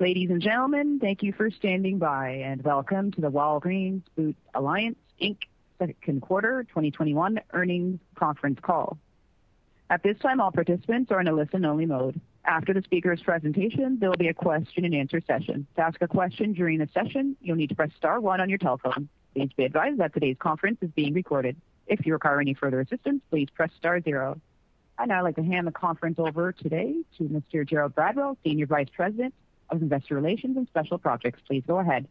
Ladies and gentlemen, thank you for standing by and welcome to the Walgreens Boots Alliance, Inc. second quarter 2021 earnings conference call. At this time, all participants are in a listen-only mode. After the speaker's presentation, there will be a question-and-answer session. To ask a question during the session, you'll need to press star one on your telephone. Please be advised that today's conference is being recorded. If you require any further assistance, please press star zero. I'd now like to hand the conference over today to Mr. Gerald Gradwell, Senior Vice President of Investor Relations and Special Projects. Please go ahead.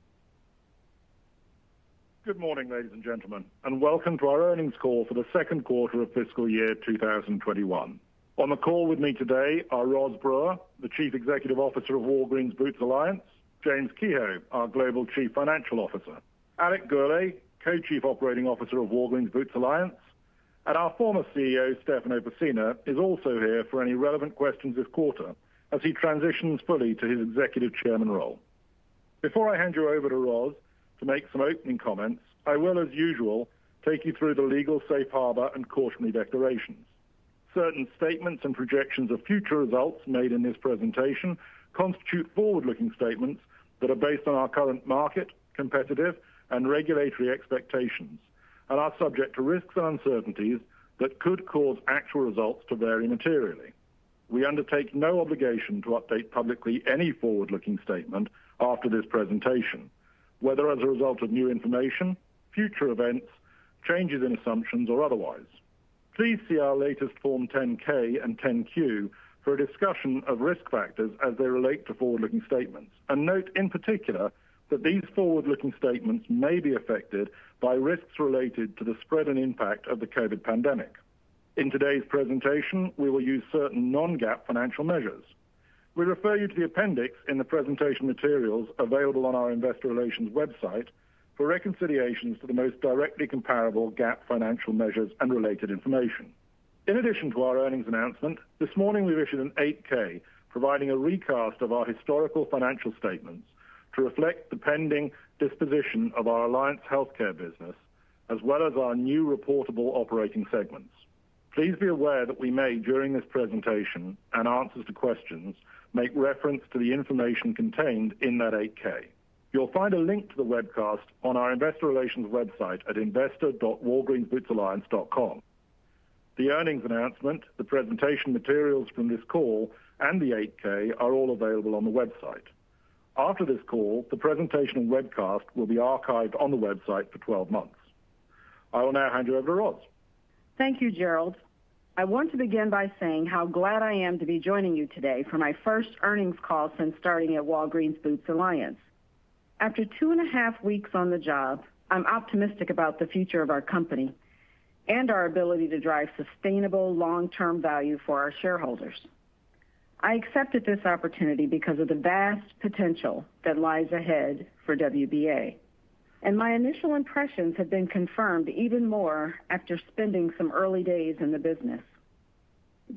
Good morning, ladies and gentlemen, and welcome to our earnings call for the second quarter of fiscal year 2021. On the call with me today are Roz Brewer, the Chief Executive Officer of Walgreens Boots Alliance, James Kehoe, our Global Chief Financial Officer, Alex Gourlay, Co-Chief Operating Officer of Walgreens Boots Alliance, and our former CEO, Stefano Pessina, is also here for any relevant questions this quarter as he transitions fully to his Executive Chairman role. Before I hand you over to Roz to make some opening comments, I will, as usual, take you through the legal safe harbor and cautionary declarations. Certain statements and projections of future results made in this presentation constitute forward-looking statements that are based on our current market, competitive, and regulatory expectations and are subject to risks and uncertainties that could cause actual results to vary materially. We undertake no obligation to update publicly any forward-looking statement after this presentation, whether as a result of new information, future events, changes in assumptions, or otherwise. Please see our latest Form 10-K and 10-Q for a discussion of risk factors as they relate to forward-looking statements. Note in particular that these forward-looking statements may be affected by risks related to the spread and impact of the COVID-19 pandemic. In today's presentation, we will use certain non-GAAP financial measures. We refer you to the appendix in the presentation materials available on our investor relations website for reconciliations to the most directly comparable GAAP financial measures and related information. In addition to our earnings announcement this morning, we've issued an 8-K providing a recast of our historical financial statements to reflect the pending disposition of our Alliance Healthcare business, as well as our new reportable operating segments. Please be aware that we may, during this presentation and answers to questions, make reference to the information contained in that 8-K. You'll find a link to the webcast on our investor relations website at investor.walgreensbootsalliance.com. The earnings announcement, the presentation materials from this call, and the 8-K are all available on the website. After this call, the presentation and webcast will be archived on the website for 12 months. I will now hand you over to Roz. Thank you, Gerald. I want to begin by saying how glad I am to be joining you today for my first earnings call since starting at Walgreens Boots Alliance. After two and a half weeks on the job, I'm optimistic about the future of our company and our ability to drive sustainable long-term value for our shareholders. I accepted this opportunity because of the vast potential that lies ahead for WBA, and my initial impressions have been confirmed even more after spending some early days in the business.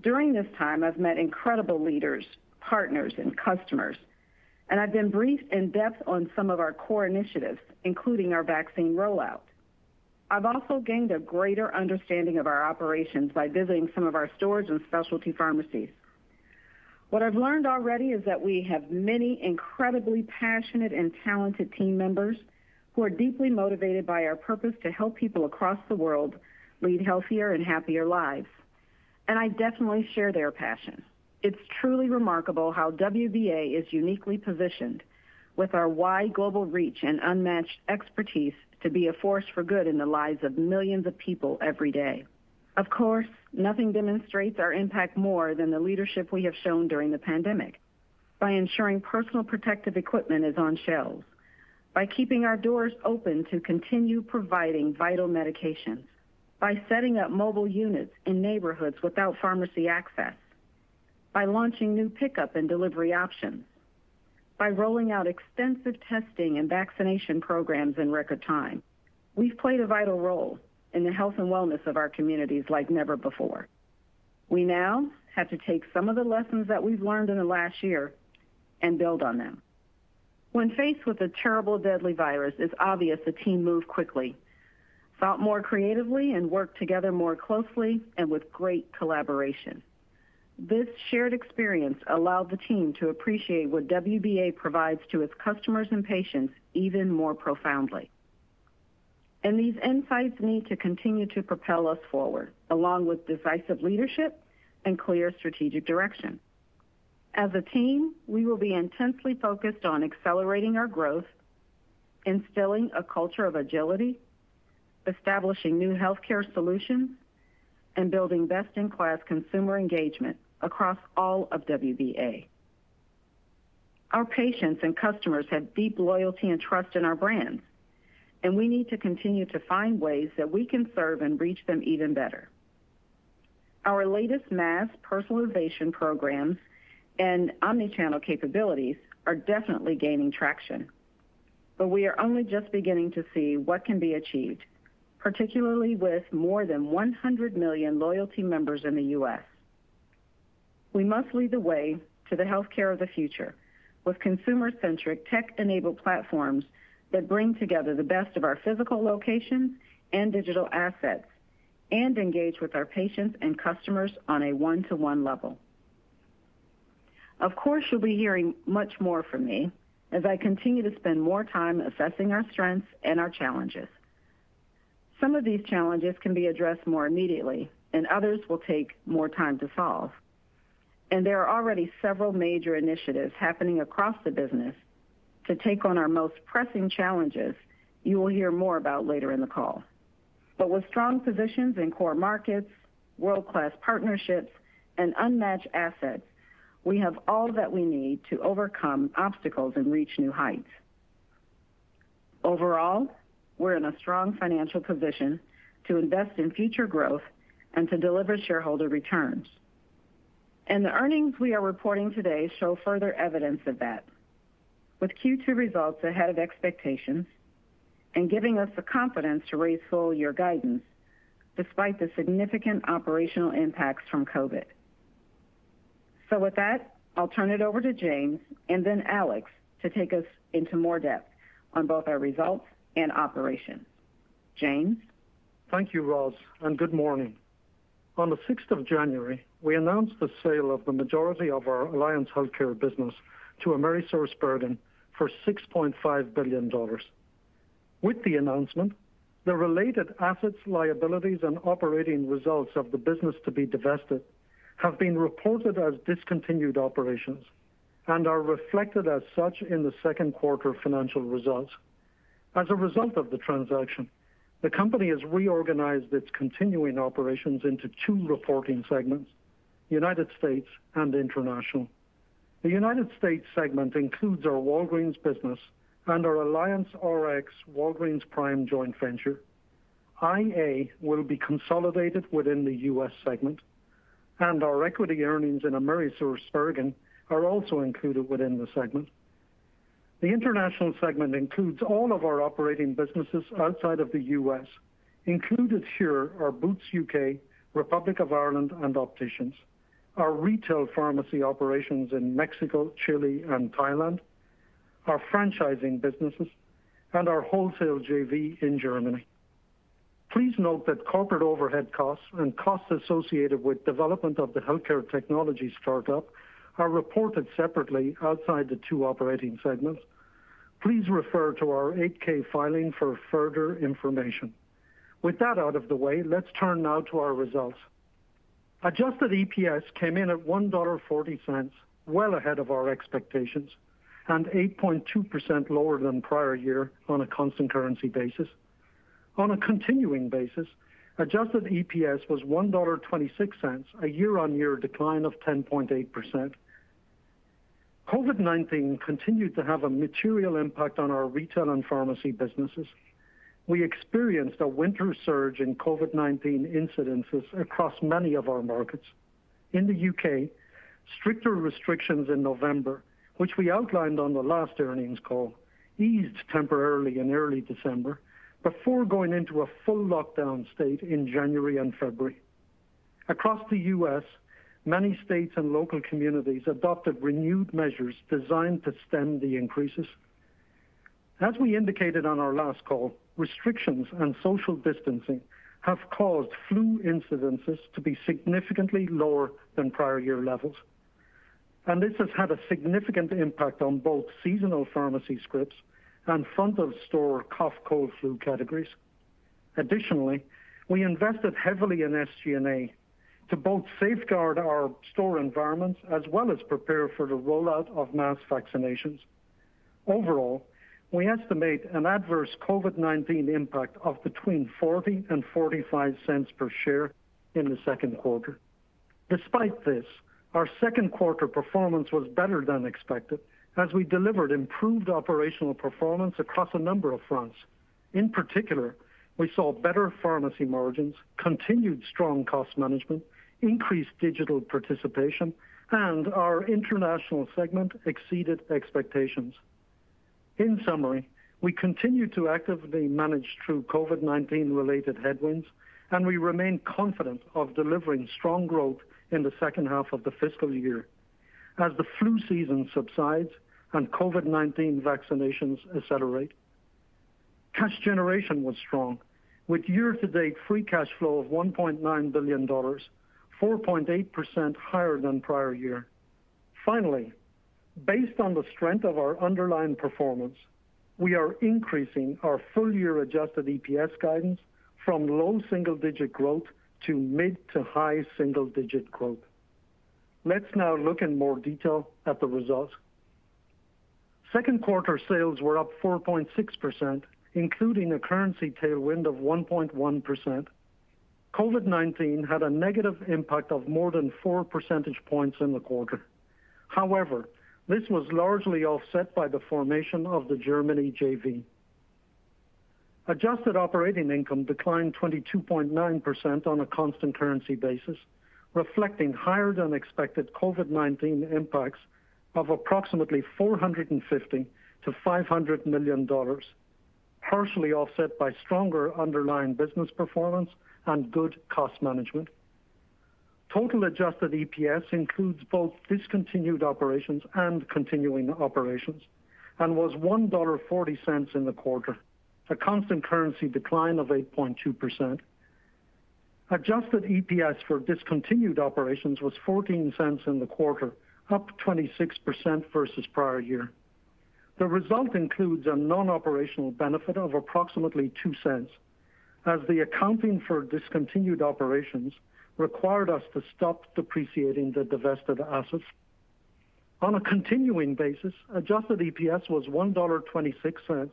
During this time, I've met incredible leaders, partners, and customers, and I've been briefed in depth on some of our core initiatives, including our vaccine rollout. I've also gained a greater understanding of our operations by visiting some of our stores and specialty pharmacies. What I've learned already is that we have many incredibly passionate and talented team members who are deeply motivated by our purpose to help people across the world lead healthier and happier lives, and I definitely share their passion. It's truly remarkable how WBA is uniquely positioned with our wide global reach and unmatched expertise to be a force for good in the lives of millions of people every day. Of course, nothing demonstrates our impact more than the leadership we have shown during the pandemic by ensuring personal protective equipment is on shelves, by keeping our doors open to continue providing vital medications, by setting up mobile units in neighborhoods without pharmacy access, by launching new pickup and delivery options, by rolling out extensive testing and vaccination programs in record time. We've played a vital role in the health and wellness of our communities like never before. We now have to take some of the lessons that we've learned in the last year and build on them. When faced with a terrible deadly virus, it's obvious the team moved quickly, thought more creatively, and worked together more closely and with great collaboration. This shared experience allowed the team to appreciate what WBA provides to its customers and patients even more profoundly. These insights need to continue to propel us forward, along with decisive leadership and clear strategic direction. As a team, we will be intensely focused on accelerating our growth, instilling a culture of agility, establishing new healthcare solutions, and building best-in-class consumer engagement across all of WBA. Our patients and customers have deep loyalty and trust in our brands, we need to continue to find ways that we can serve and reach them even better. Our latest mass personalization programs and omni-channel capabilities are definitely gaining traction, but we are only just beginning to see what can be achieved, particularly with more than 100 million loyalty members in the U.S. We must lead the way to the healthcare of the future with consumer-centric tech-enabled platforms that bring together the best of our physical locations and digital assets. Engage with our patients and customers on a one-to-one level. Of course, you'll be hearing much more from me as I continue to spend more time assessing our strengths and our challenges. Some of these challenges can be addressed more immediately, others will take more time to solve. There are already several major initiatives happening across the business to take on our most pressing challenges, you will hear more about later in the call. With strong positions in core markets, world-class partnerships, and unmatched assets, we have all that we need to overcome obstacles and reach new heights. Overall, we're in a strong financial position to invest in future growth and to deliver shareholder returns. The earnings we are reporting today show further evidence of that. With Q2 results ahead of expectations and giving us the confidence to raise full-year guidance, despite the significant operational impacts from COVID. With that, I'll turn it over to James and then Alex to take us into more depth on both our results and operations. James? Thank you, Roz. Good morning. On the January 6th, we announced the sale of the majority of our Alliance Healthcare business to AmerisourceBergen for $6.5 billion. With the announcement, the related assets, liabilities, and operating results of the business to be divested have been reported as discontinued operations and are reflected as such in the second quarter financial results. As a result of the transaction, the company has reorganized its continuing operations into two reporting segments, United States and International. The United States segment includes our Walgreens business and our AllianceRx Walgreens Prime joint venture. iA will be consolidated within the U.S. segment, and our equity earnings in AmerisourceBergen are also included within the segment. The International segment includes all of our operating businesses outside of the U.S. Included here are Boots U.K., Republic of Ireland and Boots Opticians, our retail pharmacy operations in Mexico, Chile, and Thailand, our franchising businesses, and our wholesale JV in Germany. Please note that corporate overhead costs and costs associated with development of the healthcare technology startup are reported separately outside the two operating segments. Please refer to our 8-K filing for further information. With that out of the way, let's turn now to our results. Adjusted EPS came in at $1.40, well ahead of our expectations, and 8.2% lower than prior year on a constant currency basis. On a continuing basis, adjusted EPS was $1.26, a year-on-year decline of 10.8%. COVID-19 continued to have a material impact on our retail and pharmacy businesses. We experienced a winter surge in COVID-19 incidences across many of our markets. In the U.K., stricter restrictions in November, which we outlined on the last earnings call, eased temporarily in early December before going into a full lockdown state in January and February. Across the U.S., many states and local communities adopted renewed measures designed to stem the increases. As we indicated on our last call, restrictions and social distancing have caused flu incidences to be significantly lower than prior year levels. This has had a significant impact on both seasonal pharmacy scripts and front-of-store cough, cold, flu categories. Additionally, we invested heavily in SG&A to both safeguard our store environments as well as prepare for the rollout of mass vaccinations. Overall, we estimate an adverse COVID-19 impact of between $0.40 and $0.45 per share in the second quarter. Despite this, our second quarter performance was better than expected as we delivered improved operational performance across a number of fronts. In particular, we saw better pharmacy margins, continued strong cost management, increased digital participation, and our international segment exceeded expectations. In summary, we continue to actively manage through COVID-19-related headwinds, and we remain confident of delivering strong growth in the second half of the fiscal year as the flu season subsides and COVID-19 vaccinations accelerate. Cash generation was strong with year-to-date free cash flow of $1.9 billion, 4.8% higher than prior year. Finally, based on the strength of our underlying performance, we are increasing our full-year adjusted EPS guidance from low single-digit growth to mid to high single-digit growth. Let's now look in more detail at the results. Second quarter sales were up 4.6%, including a currency tailwind of 1.1%. COVID-19 had a negative impact of more than four percentage points in the quarter. However, this was largely offset by the formation of the Germany JV. Adjusted operating income declined 22.9% on a constant currency basis, reflecting higher-than-expected COVID-19 impacts of approximately $450 million-$500 million, partially offset by stronger underlying business performance and good cost management. Total adjusted EPS includes both discontinued operations and continuing operations, and was $1.40 in the quarter, a constant currency decline of 8.2%. Adjusted EPS for discontinued operations was $0.14 in the quarter, up 26% versus prior year. The result includes a non-operational benefit of approximately $0.02, as the accounting for discontinued operations required us to stop depreciating the divested assets. On a continuing basis, adjusted EPS was $1.26,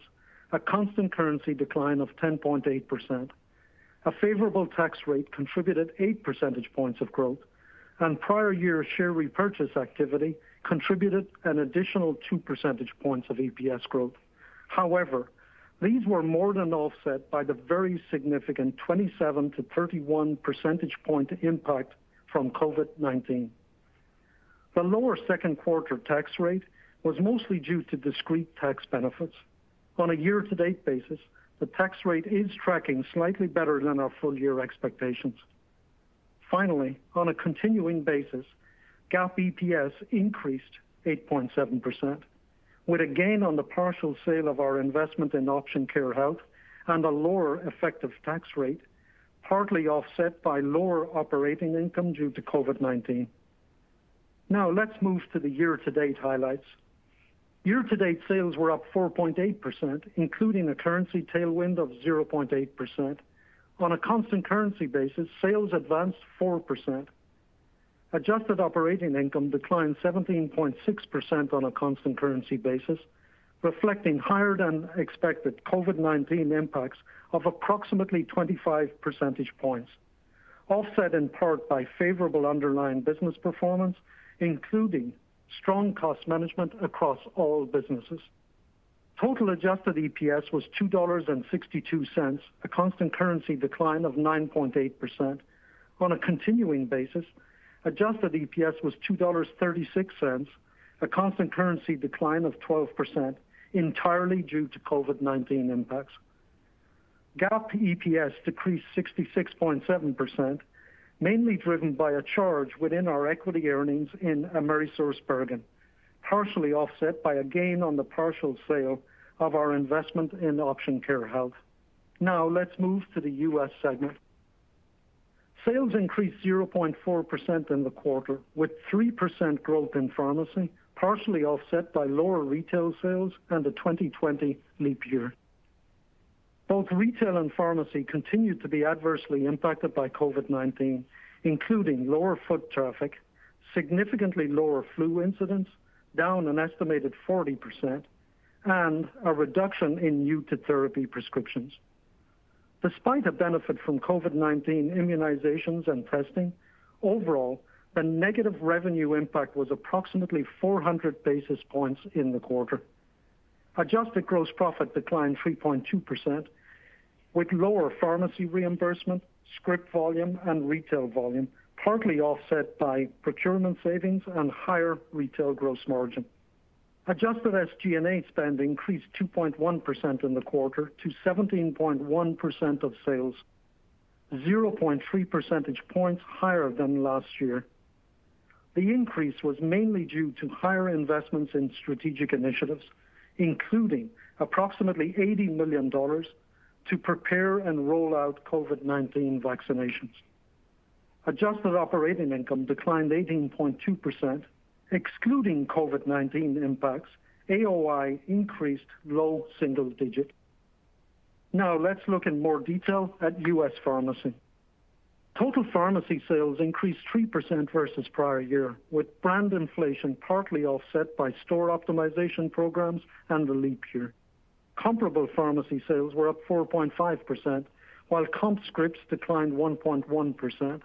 a constant currency decline of 10.8%. A favorable tax rate contributed eight percentage points of growth, and prior-year share repurchase activity contributed an additional two percentage points of EPS growth. However, these were more than offset by the very significant 27-31 percentage point impact from COVID-19. The lower second quarter tax rate was mostly due to discrete tax benefits. On a year-to-date basis, the tax rate is tracking slightly better than our full-year expectations. Finally, on a continuing basis, GAAP EPS increased 8.7%, with a gain on the partial sale of our investment in Option Care Health and a lower effective tax rate, partly offset by lower operating income due to COVID-19. Now let's move to the year-to-date highlights. Year-to-date sales were up 4.8%, including a currency tailwind of 0.8%. On a constant currency basis, sales advanced 4%. Adjusted operating income declined 17.6% on a constant currency basis, reflecting higher-than-expected COVID-19 impacts of approximately 25 percentage points, offset in part by favorable underlying business performance, including strong cost management across all businesses. Total Adjusted EPS was $2.62, a constant currency decline of 9.8%. On a continuing basis, adjusted EPS was $2.36, a constant currency decline of 12%, entirely due to COVID-19 impacts. GAAP EPS decreased 66.7%, mainly driven by a charge within our equity earnings in AmerisourceBergen, partially offset by a gain on the partial sale of our investment in Option Care Health. Let's move to the U.S. segment. Sales increased 0.4% in the quarter, with 3% growth in pharmacy, partially offset by lower retail sales and the 2020 leap year. Both retail and pharmacy continued to be adversely impacted by COVID-19, including lower foot traffic, significantly lower flu incidents, down an estimated 40%, and a reduction in new-to-therapy prescriptions. Despite a benefit from COVID-19 immunizations and testing, overall, the negative revenue impact was approximately 400 basis points in the quarter. Adjusted gross profit declined 3.2%, with lower pharmacy reimbursement, script volume, and retail volume, partly offset by procurement savings and higher retail gross margin. Adjusted SG&A spend increased 2.1% in the quarter to 17.1% of sales, 0.3 percentage points higher than last year. The increase was mainly due to higher investments in strategic initiatives, including approximately $80 million to prepare and roll out COVID-19 vaccinations. Adjusted operating income declined 18.2%. Excluding COVID-19 impacts, AOI increased low single digit. Now let's look in more detail at U.S. Pharmacy. Total pharmacy sales increased 3% versus prior year, with brand inflation partly offset by store optimization programs and the leap year. Comparable pharmacy sales were up 4.5%, while comp scripts declined 1.1%.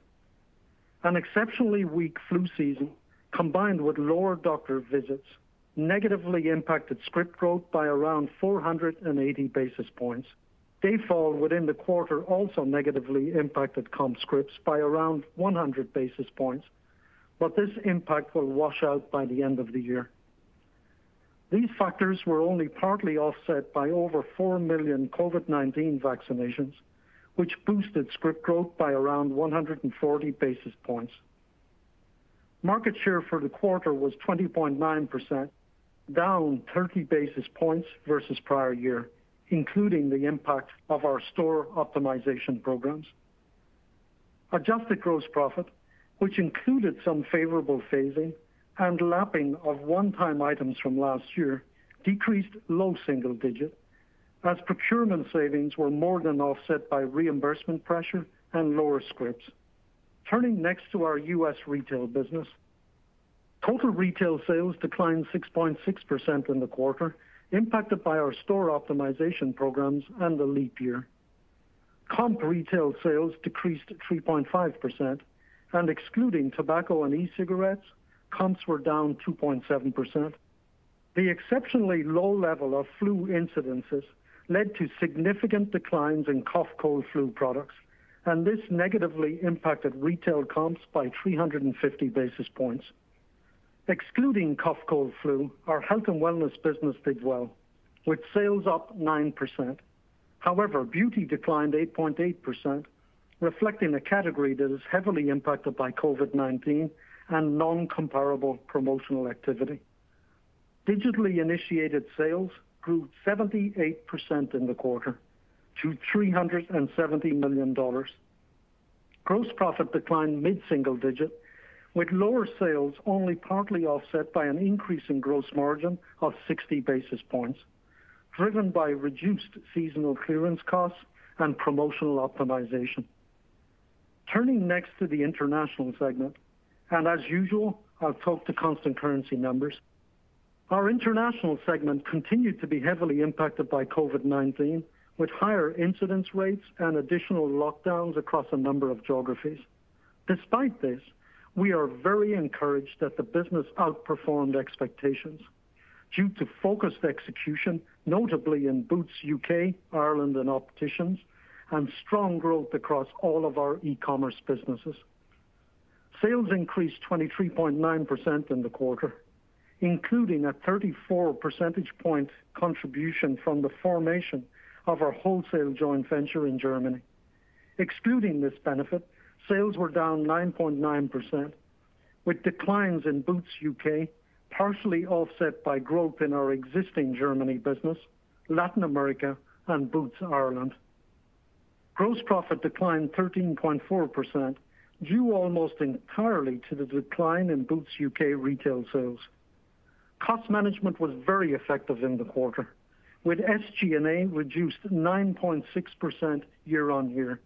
An exceptionally weak flu season, combined with lower doctor visits, negatively impacted script growth by around 480 basis points. Day fall within the quarter also negatively impacted comp scripts by around 100 basis points. This impact will wash out by the end of the year. These factors were only partly offset by over 4 million COVID-19 vaccinations, which boosted script growth by around 140 basis points. Market share for the quarter was 20.9%, down 30 basis points versus prior year, including the impact of our store optimization programs. Adjusted gross profit, which included some favorable phasing and lapping of one-time items from last year, decreased low single digit as procurement savings were more than offset by reimbursement pressure and lower scripts. Turning next to our U.S. retail business. Total retail sales declined 6.6% in the quarter, impacted by our store optimization programs and the leap year. Comp retail sales decreased 3.5%, and excluding tobacco and e-cigarettes, comps were down 2.7%. The exceptionally low level of flu incidences led to significant declines in cough, cold, flu products. This negatively impacted retail comps by 350 basis points. Excluding cough, cold, flu, our health and wellness business did well with sales up 9%. However, beauty declined 8.8%, reflecting a category that is heavily impacted by COVID-19 and non-comparable promotional activity. Digitally initiated sales grew 78% in the quarter to $370 million. Gross profit declined mid-single digit, with lower sales only partly offset by an increase in gross margin of 60 basis points, driven by reduced seasonal clearance costs and promotional optimization. Turning next to the international segment. As usual, I'll talk to constant currency numbers. Our international segment continued to be heavily impacted by COVID-19, with higher incidence rates and additional lockdowns across a number of geographies. Despite this, we are very encouraged that the business outperformed expectations due to focused execution, notably in Boots U.K., Ireland, and Opticians, and strong growth across all of our e-commerce businesses. Sales increased 23.9% in the quarter, including a 34 percentage point contribution from the formation of our wholesale joint venture in Germany. Excluding this benefit, sales were down 9.9%, with declines in Boots UK partially offset by growth in our existing Germany business, Latin America, and Boots Ireland. Gross profit declined 13.4%, due almost entirely to the decline in Boots U.K. retail sales. Cost management was very effective in the quarter, with SG&A reduced 9.6% year-on-year.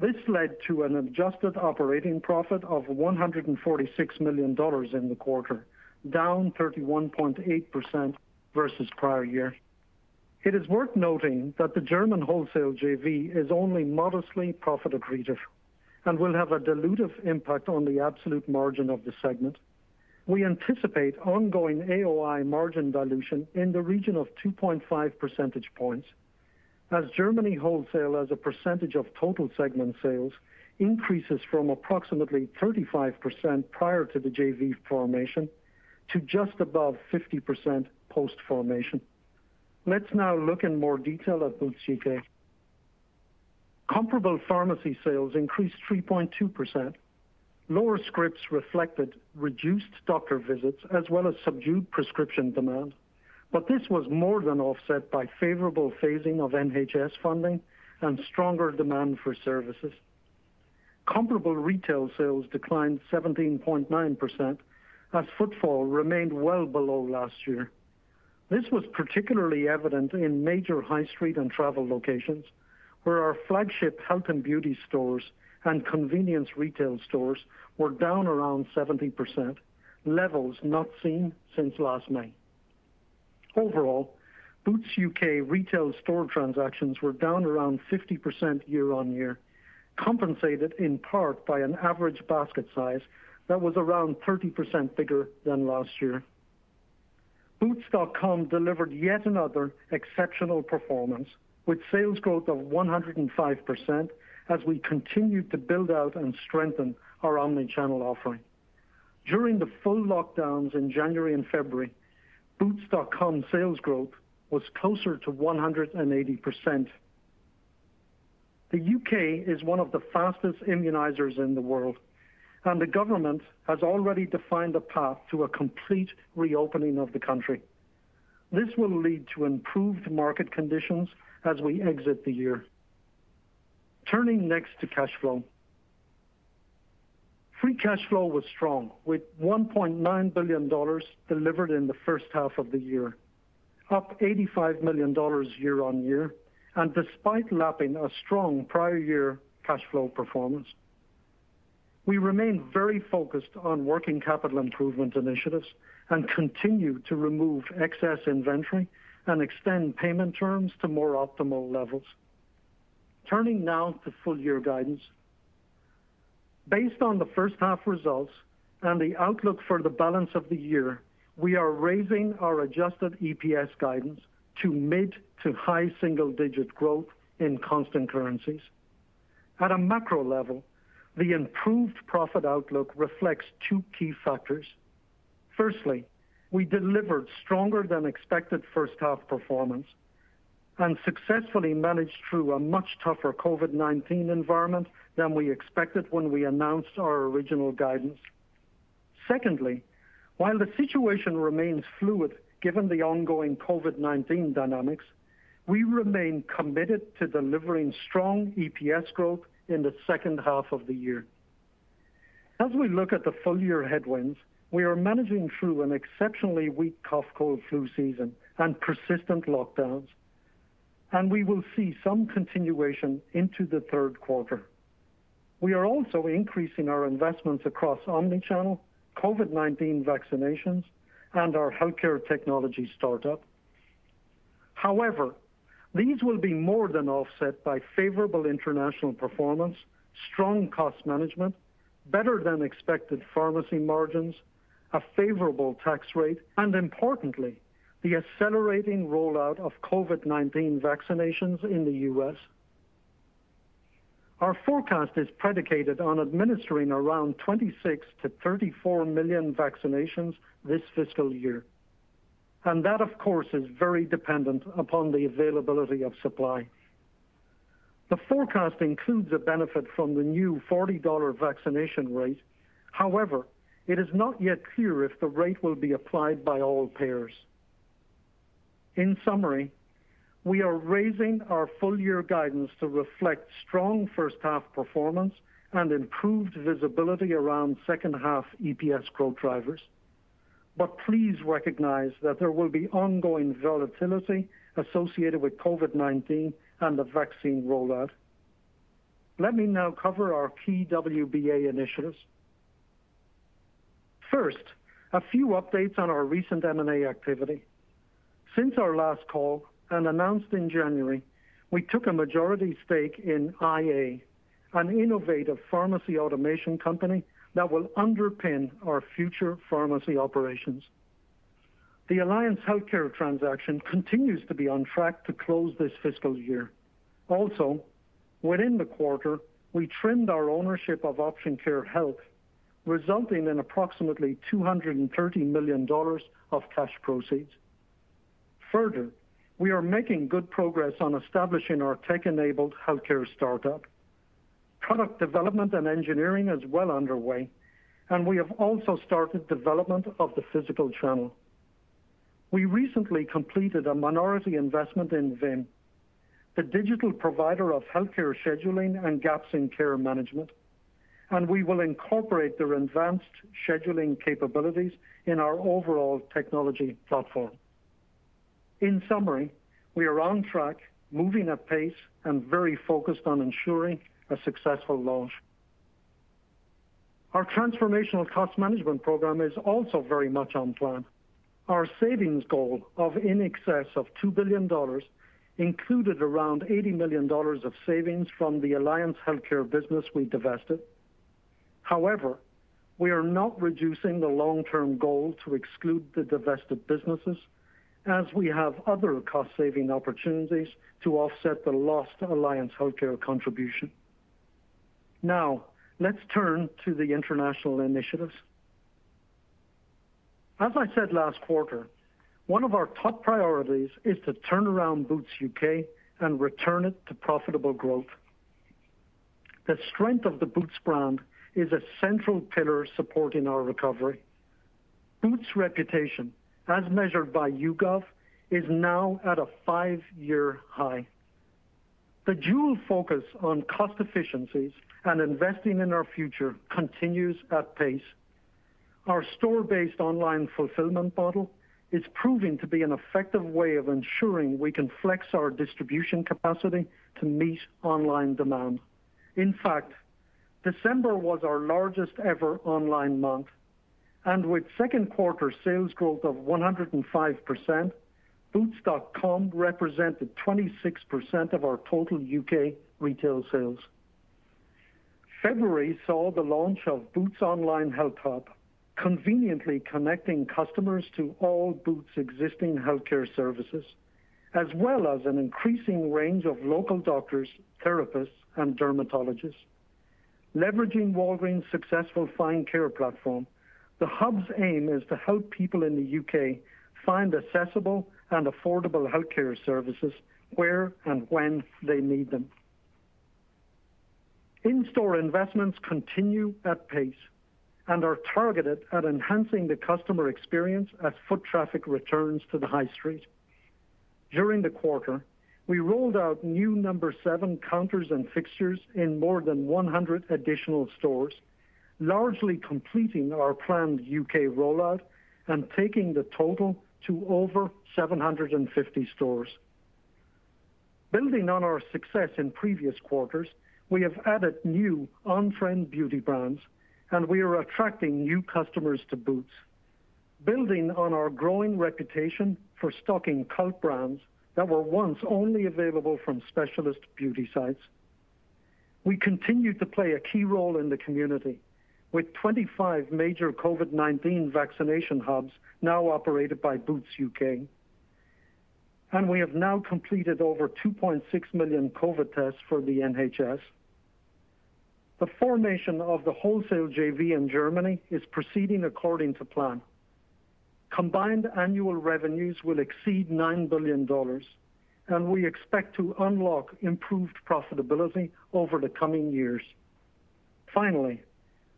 This led to an adjusted operating profit of $146 million in the quarter, down 31.8% versus prior year. It is worth noting that the German wholesale JV is only modestly profitable just and will have a dilutive impact on the absolute margin of the segment. We anticipate ongoing AOI margin dilution in the region of 2.5 percentage points as Germany wholesale as a percentage of total segment sales increases from approximately 35% prior to the JV formation to just above 50% post-formation. Let's now look in more detail at Boots UK. Comparable pharmacy sales increased 3.2%. Lower scripts reflected reduced doctor visits as well as subdued prescription demand, but this was more than offset by favorable phasing of NHS funding and stronger demand for services. Comparable retail sales declined 17.9% as footfall remained well below last year. This was particularly evident in major high street and travel locations where our flagship health and beauty stores and convenience retail stores were down around 70%, levels not seen since last May. Overall, Boots U.K. retail store transactions were down around 50% year-on-year, compensated in part by an average basket size that was around 30% bigger than last year. Boots.com delivered yet another exceptional performance, with sales growth of 105% as we continued to build out and strengthen our omnichannel offering. During the full lockdowns in January and February, Boots.com sales growth was closer to 180%. The UK is one of the fastest immunizers in the world, and the government has already defined a path to a complete reopening of the country. This will lead to improved market conditions as we exit the year. Turning next to cash flow. Free cash flow was strong, with $1.9 billion delivered in the first half of the year, up $85 million year-on-year and despite lapping a strong prior year cash flow performance. We remain very focused on working capital improvement initiatives and continue to remove excess inventory and extend payment terms to more optimal levels. Turning now to full-year guidance. Based on the first half results and the outlook for the balance of the year, we are raising our adjusted EPS guidance to mid to high single-digit growth in constant currencies. At a macro level, the improved profit outlook reflects two key factors. Firstly, we delivered stronger than expected first half performance and successfully managed through a much tougher COVID-19 environment than we expected when we announced our original guidance. Secondly, while the situation remains fluid given the ongoing COVID-19 dynamics, we remain committed to delivering strong EPS growth in the second half of the year. As we look at the full-year headwinds, we are managing through an exceptionally weak cough, cold, flu season and persistent lockdowns, and we will see some continuation into the third quarter. We are also increasing our investments across omni-channel, COVID-19 vaccinations, and our healthcare technology startup. However, these will be more than offset by favorable international performance, strong cost management, better than expected pharmacy margins, a favorable tax rate, and importantly, the accelerating rollout of COVID-19 vaccinations in the U.S. Our forecast is predicated on administering around 26 million-34 million vaccinations this fiscal year. That, of course, is very dependent upon the availability of supply. The forecast includes a benefit from the new $40 vaccination rate. However, it is not yet clear if the rate will be applied by all payers. In summary, we are raising our full year guidance to reflect strong first half performance and improved visibility around second half EPS growth drivers. Please recognize that there will be ongoing volatility associated with COVID-19 and the vaccine rollout. Let me now cover our key WBA initiatives. First, a few updates on our recent M&A activity. Since our last call and announced in January, we took a majority stake in iA, an innovative pharmacy automation company that will underpin our future pharmacy operations. The Alliance Healthcare transaction continues to be on track to close this fiscal year. Also, within the quarter, we trimmed our ownership of Option Care Health, resulting in approximately $230 million of cash proceeds. Further, we are making good progress on establishing our tech-enabled healthcare startup. Product development and engineering is well underway, and we have also started development of the physical channel. We recently completed a minority investment in Vim, the digital provider of healthcare scheduling and gaps-in-care management, and we will incorporate their advanced scheduling capabilities in our overall technology platform. In summary, we are on track, moving at pace, and very focused on ensuring a successful launch. Our transformational cost management program is also very much on plan. Our savings goal of in excess of $2 billion included around $80 million of savings from the Alliance Healthcare business we divested. However, we are not reducing the long-term goal to exclude the divested businesses, as we have other cost-saving opportunities to offset the lost Alliance Healthcare contribution. Let's turn to the international initiatives. As I said last quarter, one of our top priorities is to turn around Boots UK and return it to profitable growth. The strength of the Boots brand is a central pillar supporting our recovery. Boots' reputation, as measured by YouGov, is now at a five-year high. The dual focus on cost efficiencies and investing in our future continues at pace. Our store-based online fulfillment model is proving to be an effective way of ensuring we can flex our distribution capacity to meet online demand. In fact, December was our largest ever online month. With second quarter sales growth of 105%, boots.com represented 26% of our total U.K. retail sales. February saw the launch of Boots Online Health Hub, conveniently connecting customers to all Boots existing healthcare services, as well as an increasing range of local doctors, therapists, and dermatologists. Leveraging Walgreens' successful Find Care platform, the hub's aim is to help people in the U.K. find accessible and affordable healthcare services where and when they need them. In-store investments continue at pace and are targeted at enhancing the customer experience as foot traffic returns to the high street. During the quarter, we rolled out new No7 counters and fixtures in more than 100 additional stores, largely completing our planned U.K. rollout and taking the total to over 750 stores. Building on our success in previous quarters, we have added new on-trend beauty brands, and we are attracting new customers to Boots. Building on our growing reputation for stocking cult brands that were once only available from specialist beauty sites, we continue to play a key role in the community with 25 major COVID-19 vaccination hubs now operated by Boots UK. We have now completed over 2.6 million COVID tests for the NHS. The formation of the wholesale JV in Germany is proceeding according to plan. Combined annual revenues will exceed $9 billion, and we expect to unlock improved profitability over the coming years. Finally,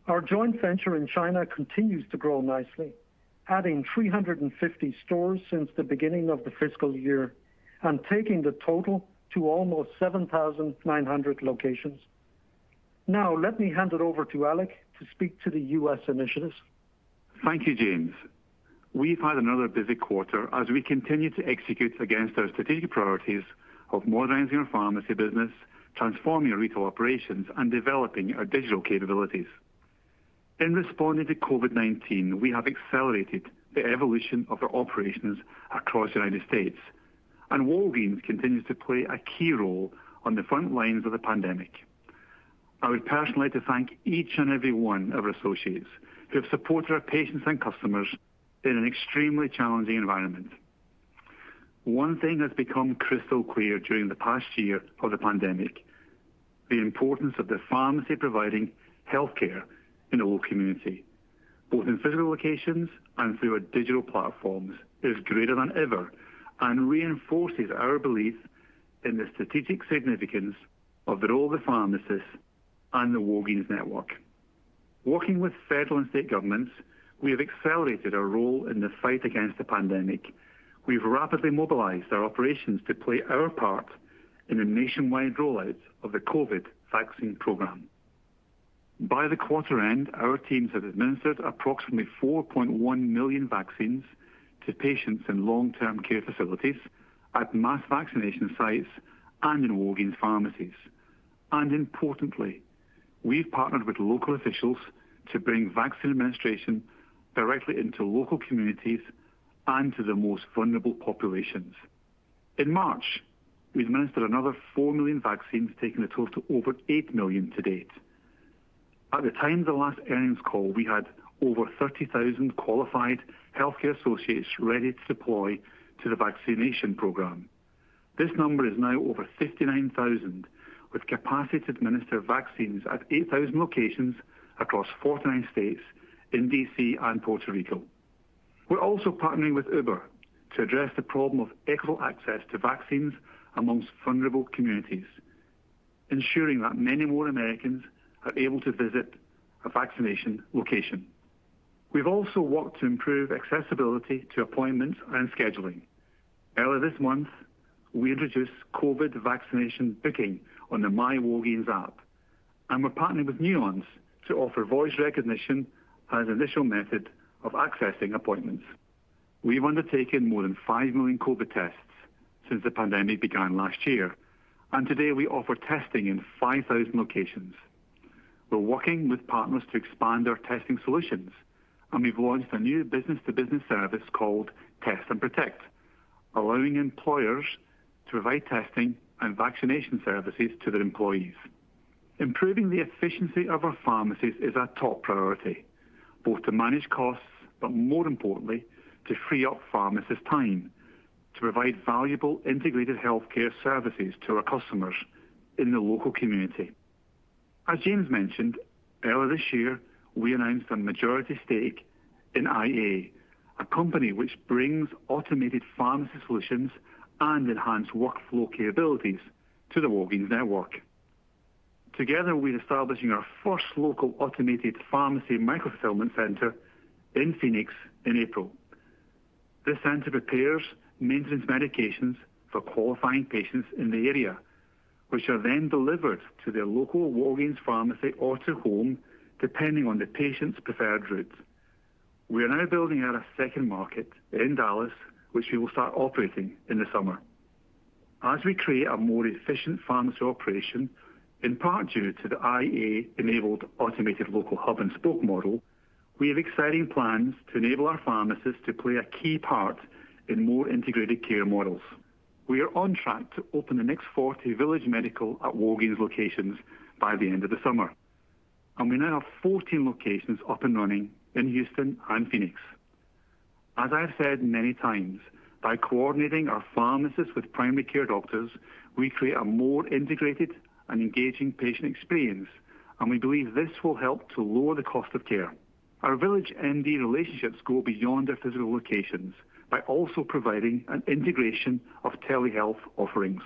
our joint venture in China continues to grow nicely, adding 350 stores since the beginning of the fiscal year and taking the total to almost 7,900 locations. Now let me hand it over to Alex to speak to the U.S. initiatives. Thank you, James. We've had another busy quarter as we continue to execute against our strategic priorities of modernizing our pharmacy business, transforming our retail operations, and developing our digital capabilities. In responding to COVID-19, we have accelerated the evolution of our operations across the U.S., and Walgreens continues to play a key role on the front lines of the pandemic. I would personally like to thank each and every one of our associates who have supported our patients and customers in an extremely challenging environment. One thing has become crystal clear during the past year of the pandemic, the importance of the pharmacy providing healthcare in the local community, both in physical locations and through our digital platforms, is greater than ever and reinforces our belief in the strategic significance of the role of the pharmacist and the Walgreens network. Working with federal and state governments, we have accelerated our role in the fight against the pandemic. We've rapidly mobilized our operations to play our part in the nationwide rollout of the COVID vaccine program. By the quarter end, our teams had administered approximately 4.1 million vaccines to patients in long-term care facilities, at mass vaccination sites, and in Walgreens pharmacies. Importantly, we've partnered with local officials to bring vaccine administration directly into local communities and to the most vulnerable populations. In March, we administered another 4 million vaccines, taking the total to over 8 million to date. At the time of the last earnings call, we had over 30,000 qualified healthcare associates ready to deploy to the vaccination program. This number is now over 59,000, with capacity to administer vaccines at 8,000 locations across 49 states, in D.C. and Puerto Rico. We're also partnering with Uber to address the problem of equal access to vaccines amongst vulnerable communities, ensuring that many more Americans are able to visit a vaccination location. We've also worked to improve accessibility to appointments and scheduling. Earlier this month, we introduced COVID vaccination booking on the myWalgreens app. We're partnering with Nuance to offer voice recognition as an additional method of accessing appointments. We've undertaken more than 5 million COVID tests since the pandemic began last year. Today we offer testing in 5,000 locations. We're working with partners to expand our testing solutions. We've launched a new business-to-business service called Test and Protect, allowing employers to provide testing and vaccination services to their employees. Improving the efficiency of our pharmacies is our top priority, both to manage costs, but more importantly, to free up pharmacists' time to provide valuable integrated healthcare services to our customers in the local community. As James mentioned, earlier this year, we announced a majority stake in iA, a company which brings automated pharmacy solutions and enhanced workflow capabilities to the Walgreens network. Together, we're establishing our first local automated pharmacy micro-fulfillment center in Phoenix in April. This center prepares maintenance medications for qualifying patients in the area, which are then delivered to their local Walgreens pharmacy or to home, depending on the patient's preferred route. We are now building out a second market in Dallas, which we will start operating in the summer. As we create a more efficient pharmacy operation, in part due to the iA-enabled automated local hub-and-spoke model, we have exciting plans to enable our pharmacists to play a key part in more integrated care models. We are on track to open the next 40 Village Medical at Walgreens locations by the end of the summer, and we now have 14 locations up and running in Houston and Phoenix. As I have said many times, by coordinating our pharmacists with primary care doctors, we create a more integrated and engaging patient experience, and we believe this will help to lower the cost of care. Our VillageMD relationships go beyond their physical locations by also providing an integration of telehealth offerings.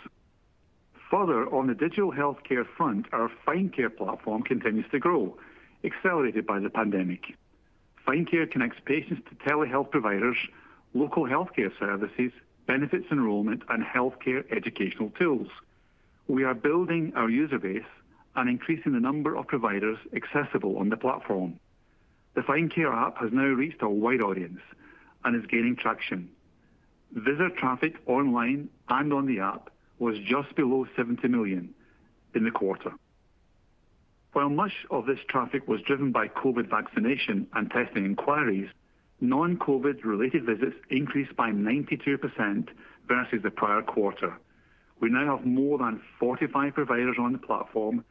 Further, on the digital healthcare front, our Find Care platform continues to grow, accelerated by the pandemic. Find Care connects patients to telehealth providers, local healthcare services, benefits enrollment, and healthcare educational tools. We are building our user base and increasing the number of providers accessible on the platform. The Find Care app has now reached a wide audience and is gaining traction. Visitor traffic online and on the app was just below 70 million in the quarter. While much of this traffic was driven by COVID vaccination and testing inquiries, non-COVID-related visits increased by 92% versus the prior quarter. We now have more than 45 providers on the platform,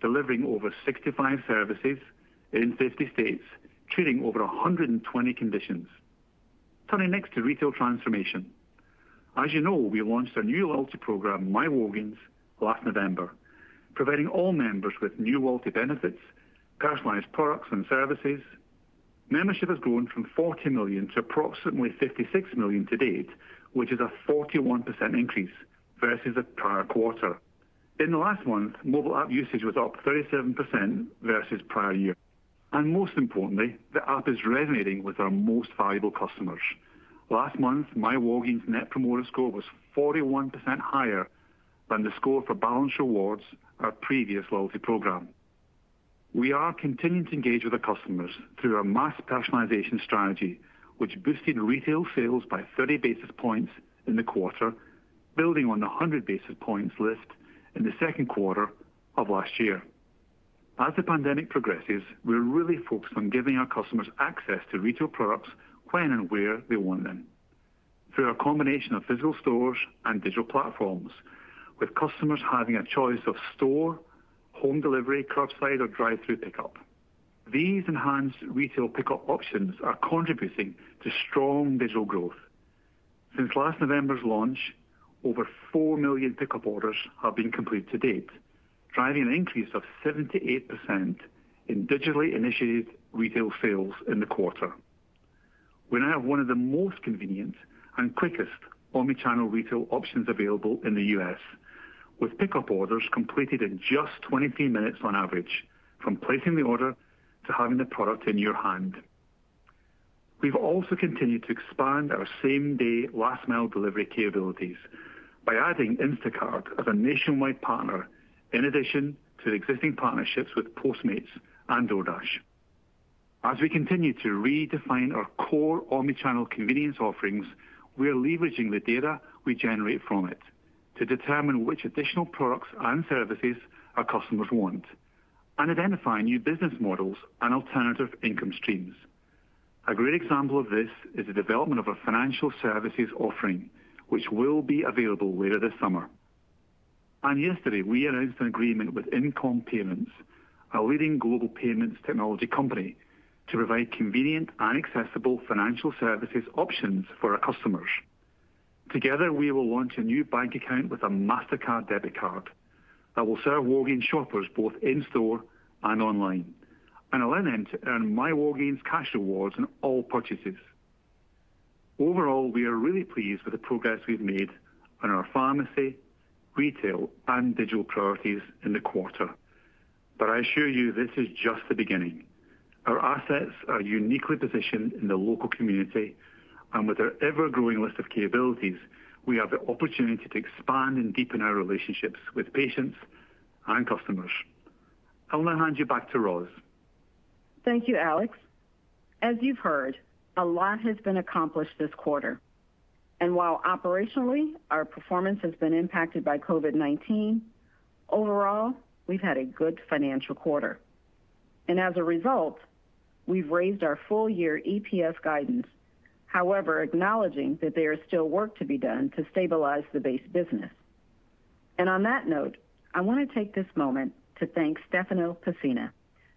delivering over 65 services in 50 states, treating over 120 conditions. Turning next to retail transformation. As you know, we launched our new loyalty program, myWalgreens, last November, providing all members with new loyalty benefits, personalized products, and services. Membership has grown from 40 million to approximately 56 million to date, which is a 41% increase versus the prior quarter. In the last month, mobile app usage was up 37% versus prior year. Most importantly, the app is resonating with our most valuable customers. Last month, myWalgreens' net promoter score was 41% higher than the score for Balance Rewards, our previous loyalty program. We are continuing to engage with our customers through our mass personalization strategy, which boosted retail sales by 30 basis points in the quarter, building on the 100 basis points lift in the second quarter of last year. As the pandemic progresses, we're really focused on giving our customers access to retail products when and where they want them through our combination of physical stores and digital platforms. With customers having a choice of store, home delivery, curbside, or drive-through pickup, these enhanced retail pickup options are contributing to strong digital growth. Since last November's launch, over 4 million pickup orders have been completed to date, driving an increase of 78% in digitally initiated retail sales in the quarter. We now have one of the most convenient and quickest omni-channel retail options available in the U.S., with pickup orders completed in just 23 minutes on average from placing the order to having the product in your hand. We've also continued to expand our same-day, last-mile delivery capabilities by adding Instacart as a nationwide partner, in addition to existing partnerships with Postmates and DoorDash. As we continue to redefine our core omni-channel convenience offerings, we are leveraging the data we generate from it to determine which additional products and services our customers want, and identifying new business models and alternative income streams. A great example of this is the development of our financial services offering, which will be available later this summer. Yesterday, we announced an agreement with InComm Payments, a leading global payments technology company, to provide convenient and accessible financial services options for our customers. Together, we will launch a new bank account with a Mastercard debit card that will serve Walgreens shoppers both in-store and online, and allow them to earn myWalgreens cash rewards on all purchases. Overall, we are really pleased with the progress we've made on our pharmacy, retail, and digital priorities in the quarter. I assure you, this is just the beginning. Our assets are uniquely positioned in the local community, and with our ever-growing list of capabilities, we have the opportunity to expand and deepen our relationships with patients and customers. I'll now hand you back to Roz. Thank you, Alex. As you've heard, a lot has been accomplished this quarter. While operationally our performance has been impacted by COVID-19, overall, we've had a good financial quarter. As a result, we've raised our full year EPS guidance. However, acknowledging that there is still work to be done to stabilize the base business. On that note, I want to take this moment to thank Stefano Pessina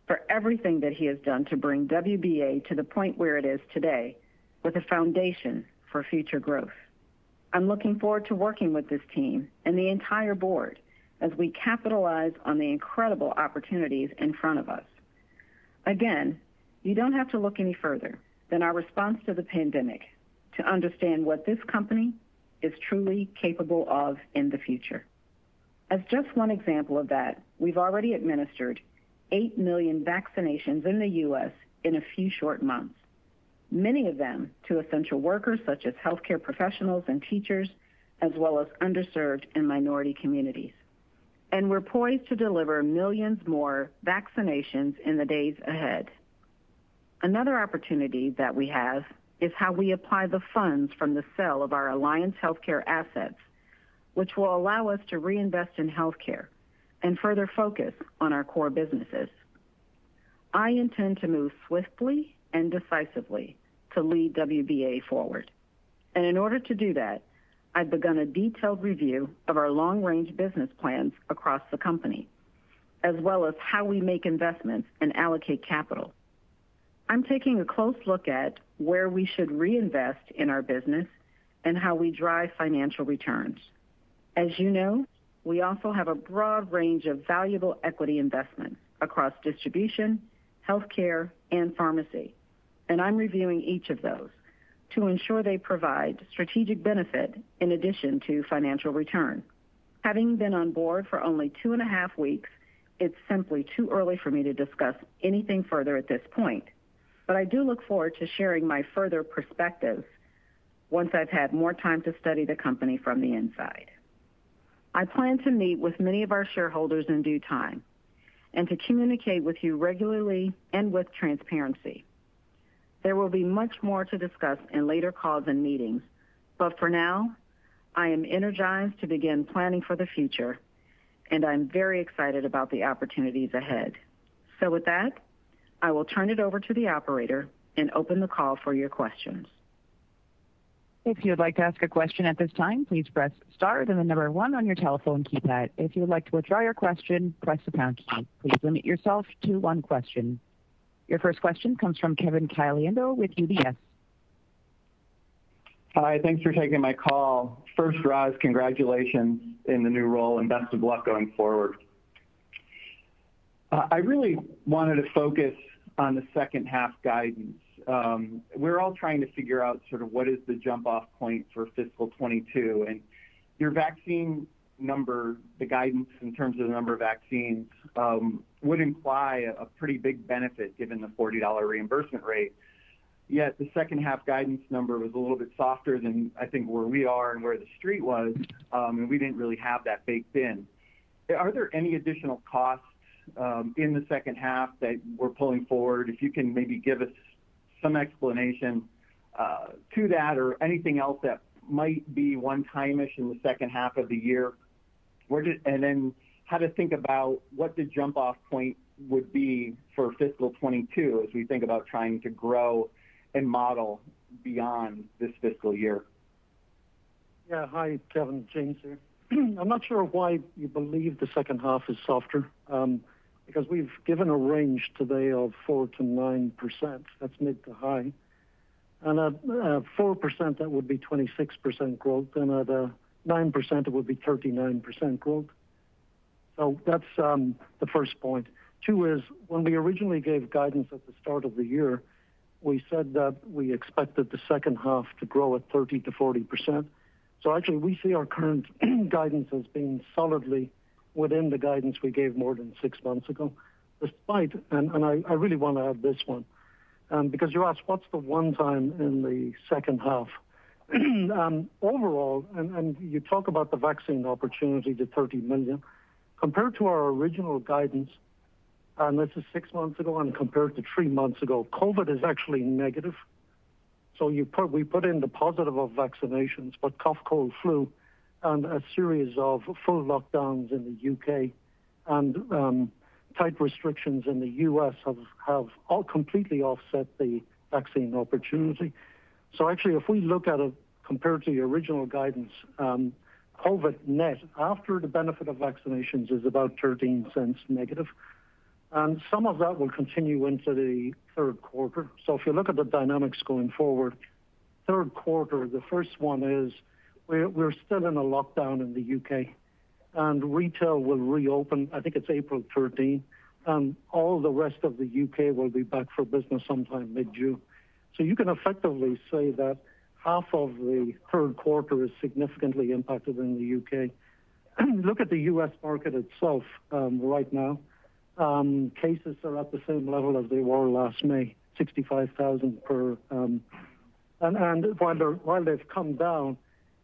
for everything that he has done to bring WBA to the point where it is today, with a foundation for future growth. I'm looking forward to working with this team and the entire board as we capitalize on the incredible opportunities in front of us. Again, you don't have to look any further than our response to the pandemic to understand what this company is truly capable of in the future. As just one example of that, we've already administered 8 million vaccinations in the U.S. in a few short months, many of them to essential workers such as healthcare professionals and teachers, as well as underserved and minority communities. We're poised to deliver millions more vaccinations in the days ahead. Another opportunity that we have is how we apply the funds from the sale of our Alliance Healthcare assets, which will allow us to reinvest in healthcare and further focus on our core businesses. I intend to move swiftly and decisively to lead WBA forward. In order to do that, I've begun a detailed review of our long-range business plans across the company, as well as how we make investments and allocate capital. I'm taking a close look at where we should reinvest in our business and how we drive financial returns. As you know, we also have a broad range of valuable equity investments across distribution, healthcare, and pharmacy, and I'm reviewing each of those to ensure they provide strategic benefit in addition to financial return. Having been on board for only two and a half weeks, it's simply too early for me to discuss anything further at this point. I do look forward to sharing my further perspective once I've had more time to study the company from the inside. I plan to meet with many of our shareholders in due time, and to communicate with you regularly and with transparency. There will be much more to discuss in later calls and meetings. For now, I am energized to begin planning for the future, and I'm very excited about the opportunities ahead. With that, I will turn it over to the operator and open the call for your questions. If you'd like to ask a question at this time, please press star and then the number one on your telephone keypad. If you'd like to withdraw your question, press the pound key. Please limit yourself to one question. Your first question comes from Kevin Caliendo with UBS. Hi, thanks for taking my call. First, Roz, congratulations in the new role and best of luck going forward. I really wanted to focus on the second half guidance. We're all trying to figure out sort of what is the jump-off point for FY 2022. Your vaccine number, the guidance in terms of the number of vaccines, would imply a pretty big benefit given the $40 reimbursement rate. The second half guidance number was a little bit softer than I think where we are and where the street was, and we didn't really have that baked in. Are there any additional costs in the second half that we're pulling forward? If you can maybe give us some explanation to that or anything else that might be one-time-ish in the second half of the year. How to think about what the jump-off point would be for fiscal 2022 as we think about trying to grow and model beyond this fiscal year? Hi, Kevin. James here. I'm not sure why you believe the second half is softer, because we've given a range today of 4%-9%. That's mid to high. At 4%, that would be 26% growth, and at 9%, it would be 39% growth. That's the first point. Two is, when we originally gave guidance at the start of the year, we said that we expected the second half to grow at 30%-40%. Actually, we see our current guidance as being solidly within the guidance we gave more than six months ago, despite, and I really want to add this one, because you asked what's the one time in the second half. Overall, you talk about the vaccine opportunity, the 30 million. Compared to our original guidance, this is six months ago and compared to three months ago, COVID is actually negative. We put in the positive of vaccinations, but cough, cold, flu, and a series of full lockdowns in the U.K., and tight restrictions in the U.S. have all completely offset the vaccine opportunity. Actually, if we look at it compared to the original guidance, COVID net, after the benefit of vaccinations, is about $0.13 negative. Some of that will continue into the third quarter. If you look at the dynamics going forward, third quarter, the first one is we're still in a lockdown in the U.K., and retail will reopen, I think it's April 13. All the rest of the U.K. will be back for business sometime mid-June. You can effectively say that half of the third quarter is significantly impacted in the U.K. Look at the U.S. market itself right now. Cases are at the same level as they were last May, 65,000. While they've come down,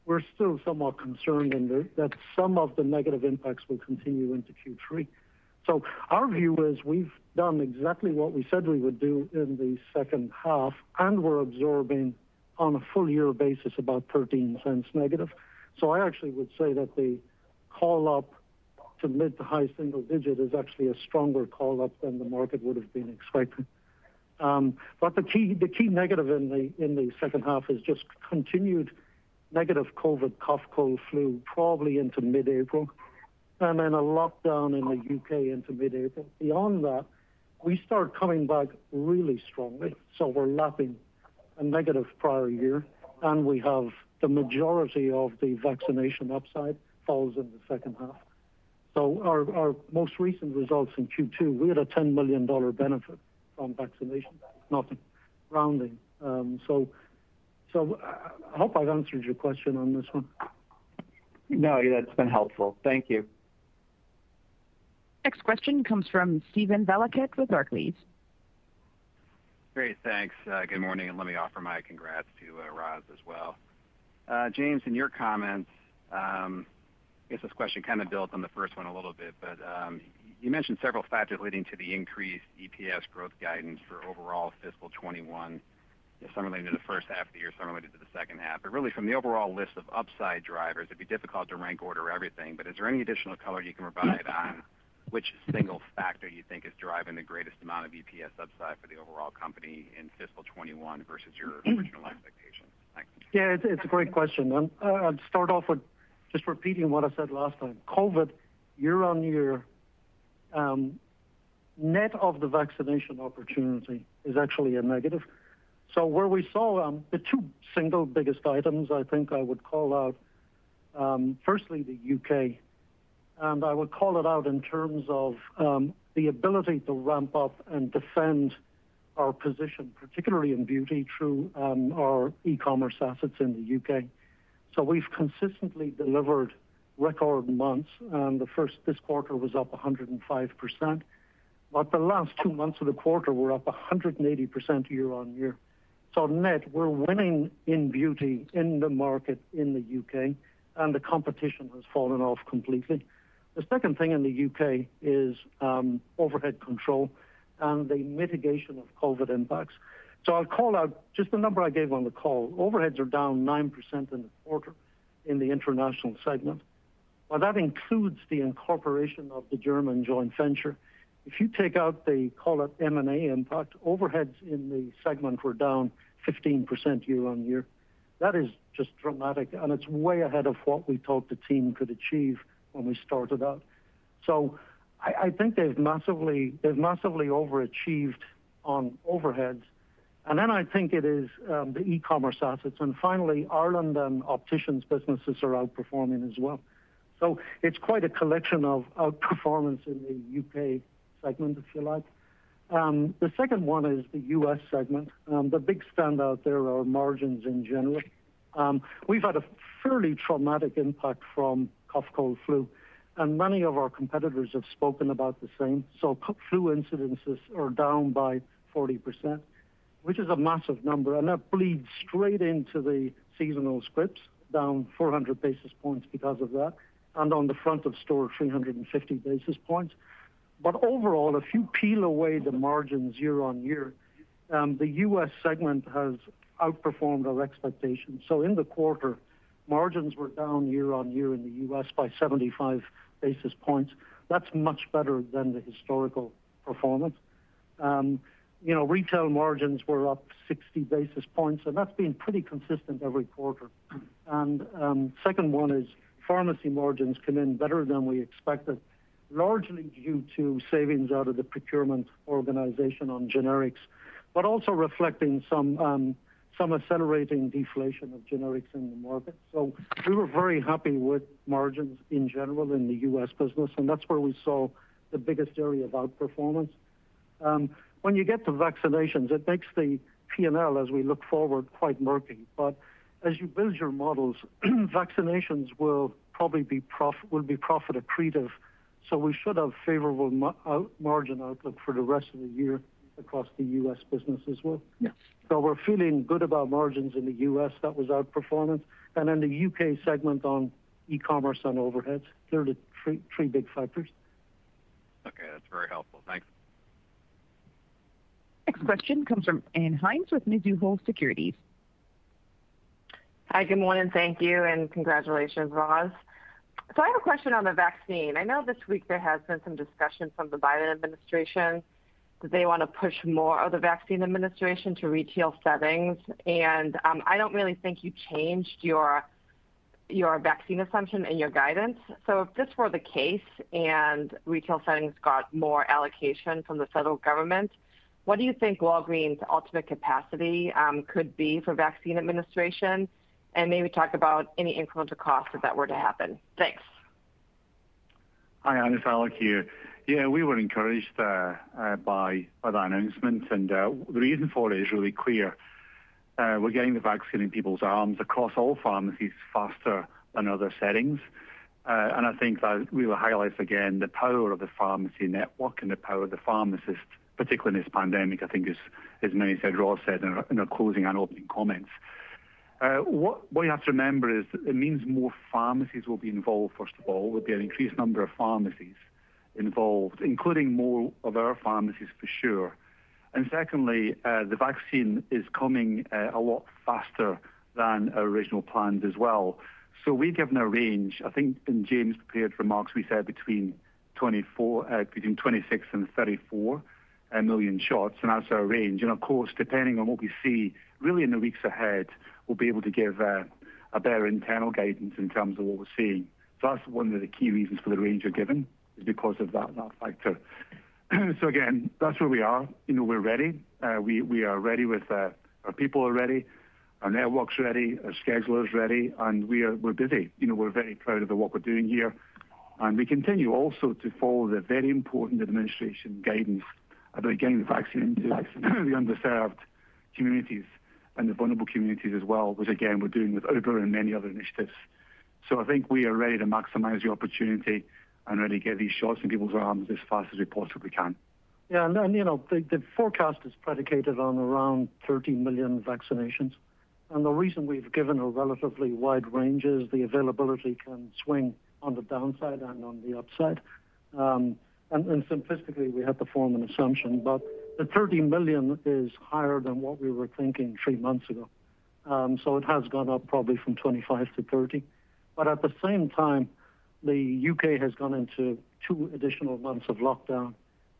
we're still somewhat concerned that some of the negative impacts will continue into Q3. Our view is we've done exactly what we said we would do in the second half, and we're absorbing, on a full-year basis, about $0.13 negative. I actually would say that the call-up to mid to high single digit is actually a stronger call-up than the market would've been expecting. The key negative in the second half is just continued negative COVID, cough, cold, flu, probably into mid-April. Then a lockdown in the U.K. into mid-April. Beyond that, we start coming back really strongly. We're lapping a negative prior year. We have the majority of the vaccination upside falls in the second half. Our most recent results in Q2, we had a $10 million benefit from vaccinations, nothing rounding. I hope I've answered your question on this one. No, that's been helpful. Thank you. Next question comes from Steven Valiquette with Barclays. Great. Thanks. Good morning, and let me offer my congrats to Roz as well. James, in your comments, I guess this question kind of builds on the first one a little bit, but you mentioned several factors leading to the increased EPS growth guidance for overall fiscal 2021. Some related to the first half of the year, some related to the second half. Really, from the overall list of upside drivers, it'd be difficult to rank order everything, but is there any additional color you can provide on which single factor you think is driving the greatest amount of EPS upside for the overall company in fiscal 2021 versus your original expectations? Thanks. Yeah, it's a great question. I'll start off with just repeating what I said last time. COVID, year-on-year, net of the vaccination opportunity is actually a negative. Where we saw the two single biggest items, I think I would call out, firstly, the U.K. I would call it out in terms of the ability to ramp up and defend our position, particularly in beauty through our e-commerce assets in the U.K. We've consistently delivered record months, and the first this quarter was up 105%, but the last two months of the quarter were up 180% year-on-year. Net, we're winning in beauty in the market in the U.K., and the competition has fallen off completely. The second thing in the U.K. is overhead control and the mitigation of COVID impacts. I'll call out just the number I gave on the call. Overheads are down 9% in the quarter in the international segment. That includes the incorporation of the German joint venture. If you take out the, call it M&A impact, overheads in the segment were down 15% year-on-year. That is just dramatic, and it's way ahead of what we thought the team could achieve when we started out. I think they've massively overachieved on overheads. Then I think it is the e-commerce assets. Finally, Ireland and Opticians businesses are outperforming as well. It's quite a collection of outperformance in the U.K. segment, if you like. The second one is the U.S. segment. The big standout there are margins in general. We've had a fairly traumatic impact from cough, cold, flu, and many of our competitors have spoken about the same. Flu incidences are down by 40%, which is a massive number, and that bleeds straight into the seasonal scripts, down 400 basis points because of that, and on the front of store, 350 basis points. Overall, if you peel away the margins year-on-year, the U.S. segment has outperformed our expectations. In the quarter, margins were down year-on-year in the U.S. by 75 basis points. That's much better than the historical performance. Retail margins were up 60 basis points, and that's been pretty consistent every quarter. Second one is pharmacy margins came in better than we expected, largely due to savings out of the procurement organization on generics, but also reflecting some accelerating deflation of generics in the market. We were very happy with margins in general in the U.S. business, and that's where we saw the biggest area of outperformance. When you get to vaccinations, it makes the P&L as we look forward, quite murky. As you build your models, vaccinations will be profit accretive. We should have favorable margin outlook for the rest of the year across the U.S. business as well. Yes. We're feeling good about margins in the U.S. That was outperformance. The U.K. segment on e-commerce and overheads. They're the three big factors. Okay. That's very helpful. Thanks. Next question comes from Ann Hynes with Mizuho Securities. Hi, good morning. Thank you, and congratulations, Roz. I have a question on the vaccine. I know this week there has been some discussions from the Biden administration that they want to push more of the vaccine administration to retail settings, and I don't really think you changed your vaccine assumption in your guidance. If this were the case and retail settings got more allocation from the federal government, what do you think Walgreens' ultimate capacity could be for vaccine administration? Maybe talk about any incremental cost if that were to happen. Thanks. Hi, Ann. Alex here. We were encouraged by that announcement. The reason for it is really clear. We're getting the vaccine in people's arms across all pharmacies faster than other settings. I think that we will highlight again the power of the pharmacy network and the power of the pharmacist, particularly in this pandemic, I think as many said, Roz said in her closing and opening comments. What you have to remember is it means more pharmacies will be involved, first of all. There'll be an increased number of pharmacies involved, including more of our pharmacies, for sure. Secondly, the vaccine is coming a lot faster than original plans as well. We've given a range. I think in James' prepared remarks, we said between 26 million and 34 million shots, and that's our range. Of course, depending on what we see really in the weeks ahead, we'll be able to give a better internal guidance in terms of what we're seeing. That's one of the key reasons for the range we're giving, is because of that factor. Again, that's where we are. We're ready. Our people are ready. Our network's ready. Our scheduler's ready. We're busy. We're very proud of the work we're doing here. We continue also to follow the very important administration guidance about getting the vaccine to the underserved communities and the vulnerable communities as well, which again, we're doing with Uber and many other initiatives. I think we are ready to maximize the opportunity and really get these shots in people's arms as fast as we possibly can. Yeah, the forecast is predicated on around 30 million vaccinations. The reason we've given a relatively wide range is the availability can swing on the downside and on the upside. Simplistically, we have to form an assumption. The 30 million is higher than what we were thinking three months ago. It has gone up probably from 25-30. At the same time, the U.K. has gone into two additional months of lockdown,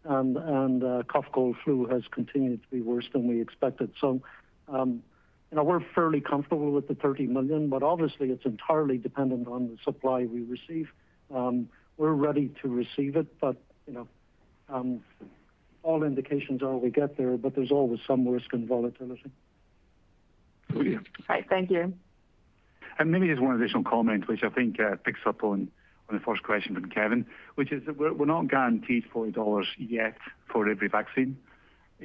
and cough, cold, flu has continued to be worse than we expected. We're fairly comfortable with the 30 million, but obviously it's entirely dependent on the supply we receive. We're ready to receive it, but all indications are we'll get there, but there's always some risk and volatility. For you. All right. Thank you. Maybe just one additional comment, which I think picks up on the first question from Kevin, which is that we're not guaranteed $40 yet for every vaccine.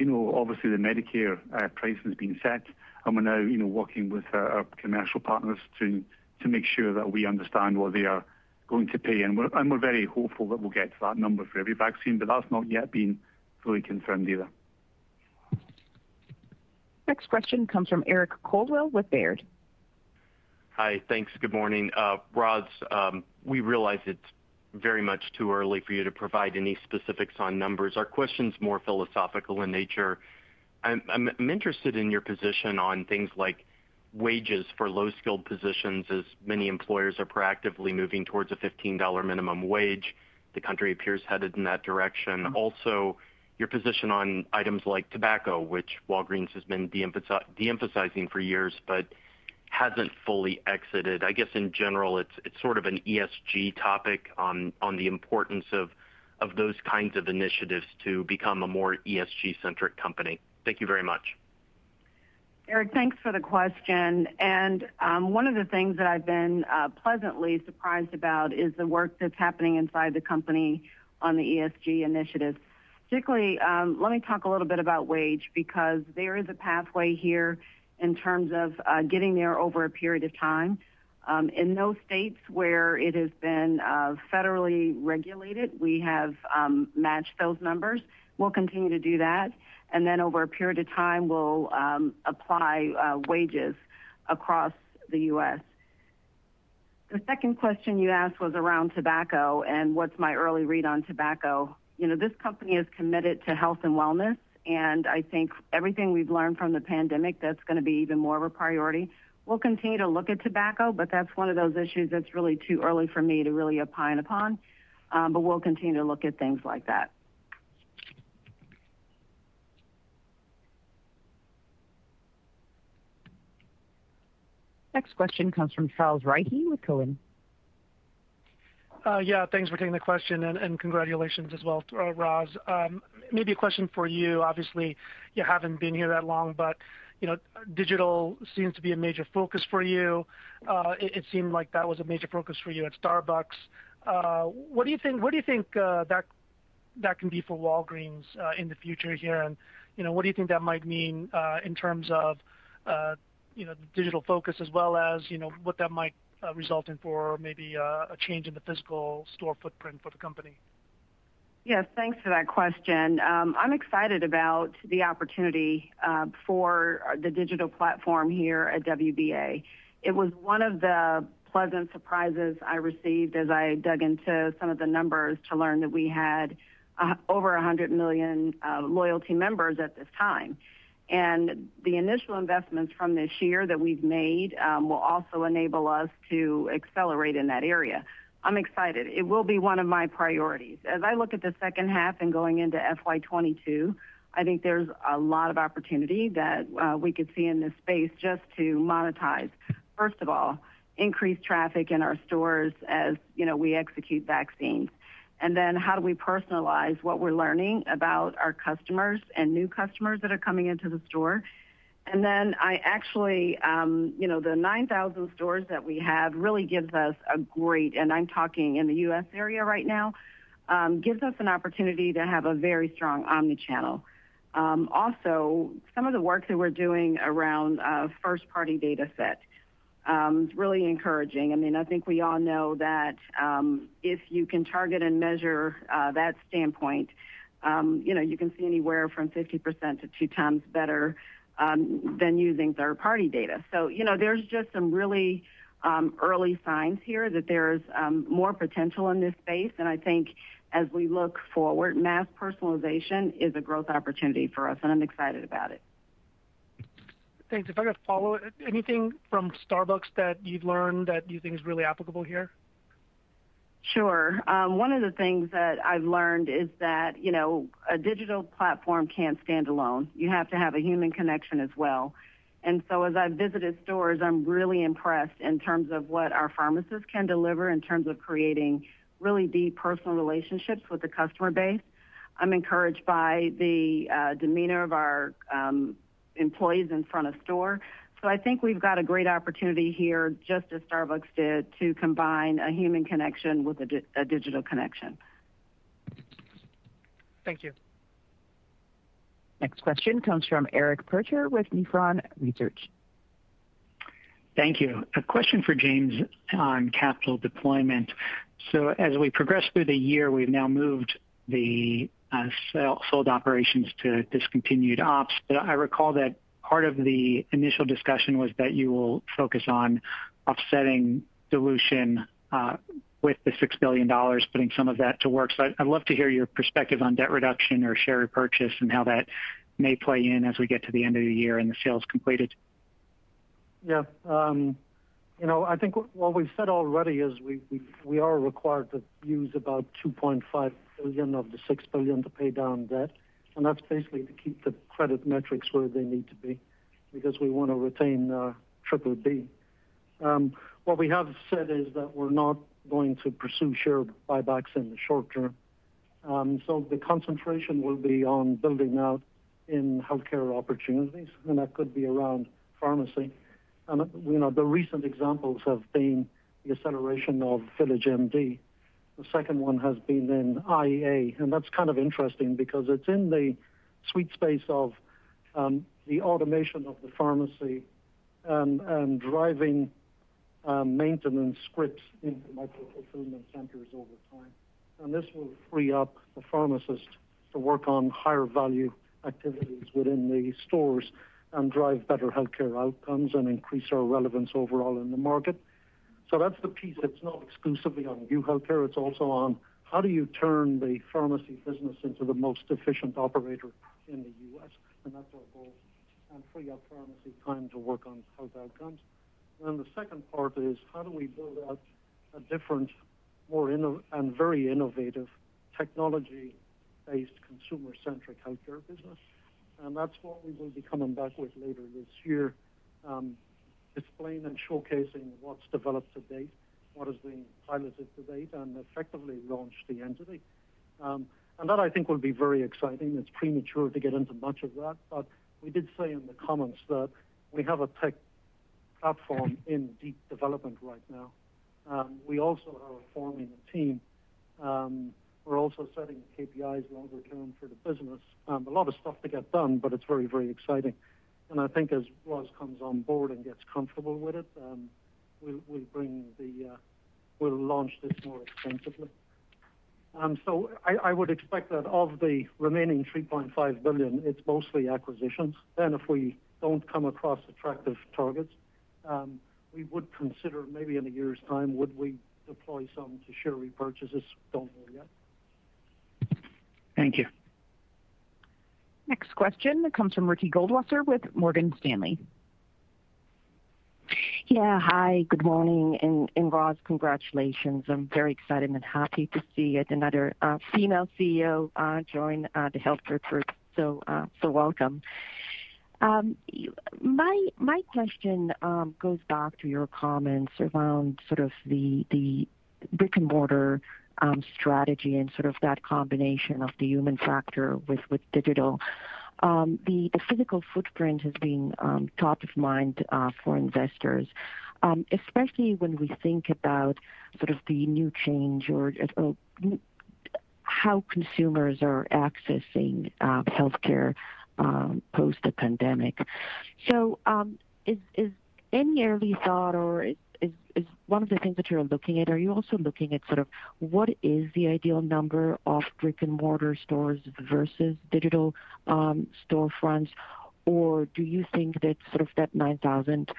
Obviously the Medicare price has been set. We're now working with our commercial partners to make sure that we understand what they are going to pay. We're very hopeful that we'll get to that number for every vaccine, but that's not yet been fully confirmed either. Next question comes from Eric Coldwell with Baird. Hi. Thanks. Good morning. Roz, we realize it's very much too early for you to provide any specifics on numbers. Our question's more philosophical in nature. I'm interested in your position on things like wages for low-skilled positions, as many employers are proactively moving towards a $15 minimum wage. The country appears headed in that direction. Also, your position on items like tobacco, which Walgreens has been de-emphasizing for years but hasn't fully exited. I guess in general, it's sort of an ESG topic on the importance of those kinds of initiatives to become a more ESG-centric company. Thank you very much. Eric, thanks for the question. One of the things that I've been pleasantly surprised about is the work that's happening inside the company on the ESG initiatives. Particularly, let me talk a little bit about wage, because there is a pathway here in terms of getting there over a period of time. In those states where it has been federally regulated, we have matched those numbers. We'll continue to do that. Then over a period of time, we'll apply wages across the U.S. The second question you asked was around tobacco and what's my early read on tobacco. This company is committed to health and wellness, and I think everything we've learned from the pandemic, that's going to be even more of a priority. We'll continue to look at tobacco, but that's one of those issues that's really too early for me to really opine upon. We'll continue to look at things like that. Next question comes from Charles Rhyee with Cowen. Yeah, thanks for taking the question, and congratulations as well, Roz. Maybe a question for you. Obviously, you haven't been here that long, but digital seems to be a major focus for you. It seemed like that was a major focus for you at Starbucks. What do you think that can be for Walgreens in the future here, and what do you think that might mean in terms of the digital focus as well as what that might result in for maybe a change in the physical store footprint for the company? Yes, thanks for that question. I'm excited about the opportunity for the digital platform here at WBA. It was one of the pleasant surprises I received as I dug into some of the numbers to learn that we had over 100 million loyalty members at this time. The initial investments from this year that we've made will also enable us to accelerate in that area. I'm excited. It will be one of my priorities. As I look at the second half and going into FY 2022, I think there's a lot of opportunity that we could see in this space just to monetize. First of all, increase traffic in our stores as we execute vaccines. How do we personalize what we're learning about our customers and new customers that are coming into the store? I actually-- the 9,000 stores that we have really gives us a great, and I'm talking in the U.S. area right now, gives us an opportunity to have a very strong omni-channel. Some of the work that we're doing around first-party dataset is really encouraging. I think we all know that if you can target and measure that standpoint, you can see anywhere from 50% to 2x better than using third-party data. There's just some really early signs here that there's more potential in this space. I think as we look forward, mass personalization is a growth opportunity for us, and I'm excited about it. Thanks. If I could follow it, anything from Starbucks that you've learned that you think is really applicable here? Sure. One of the things that I've learned is that a digital platform can't stand alone. You have to have a human connection as well. As I've visited stores, I'm really impressed in terms of what our pharmacists can deliver in terms of creating really deep personal relationships with the customer base. I'm encouraged by the demeanor of our employees in front of store. I think we've got a great opportunity here, just as Starbucks did, to combine a human connection with a digital connection. Thank you. Next question comes from Eric Percher with Nephron Research. Thank you. A question for James on capital deployment. As we progress through the year, we've now moved the sold operations to discontinued ops. I recall that part of the initial discussion was that you will focus on offsetting dilution with the $6 billion, putting some of that to work. I'd love to hear your perspective on debt reduction or share repurchase and how that may play in as we get to the end of the year and the sale is completed. Yeah. I think what we've said already is we are required to use about $2.5 billion of the $6 billion to pay down debt, and that's basically to keep the credit metrics where they need to be because we want to retain our BBB. What we have said is that we're not going to pursue share buybacks in the short term. The concentration will be on building out in healthcare opportunities, and that could be around pharmacy. The recent examples have been the acceleration of VillageMD. The second one has been in iA, and that's kind of interesting because it's in the sweet space of the automation of the pharmacy and driving maintenance scripts into micro-fulfillment centers over time. This will free up the pharmacist to work on higher value activities within the stores and drive better healthcare outcomes and increase our relevance overall in the market. That's the piece. It's not exclusively on new healthcare, it's also on how do you turn the pharmacy business into the most efficient operator in the U.S., and that's our goal, and free up pharmacy time to work on health outcomes. The second part is how do we build out a different and very innovative technology-based consumer-centric healthcare business? That's what we will be coming back with later this year, explaining and showcasing what's developed to date, what has been piloted to date, and effectively launch the entity. That I think will be very exciting. It's premature to get into much of that, but we did say in the comments that we have a tech platform in deep development right now. We also are forming a team. We're also setting KPIs longer-term for the business. A lot of stuff to get done, but it's very exciting. I think as Roz comes on board and gets comfortable with it, we'll launch this more extensively. I would expect that of the remaining $3.5 billion, it's mostly acquisitions. If we don't come across attractive targets, we would consider maybe in a year's time, would we deploy some to share repurchases? Don't know yet. Thank you. Next question comes from Ricky Goldwasser with Morgan Stanley. Yeah. Hi, good morning. Roz, congratulations. I'm very excited and happy to see yet another female CEO join the healthcare group, so welcome. My question goes back to your comments around the brick-and-mortar strategy and that combination of the human factor with digital. The physical footprint has been top of mind for investors, especially when we think about the new change or how consumers are accessing healthcare post the pandemic. Is any early thought or is one of the things that you're looking at, are you also looking at what is the ideal number of brick-and-mortar stores versus digital storefronts? Do you think that 9,000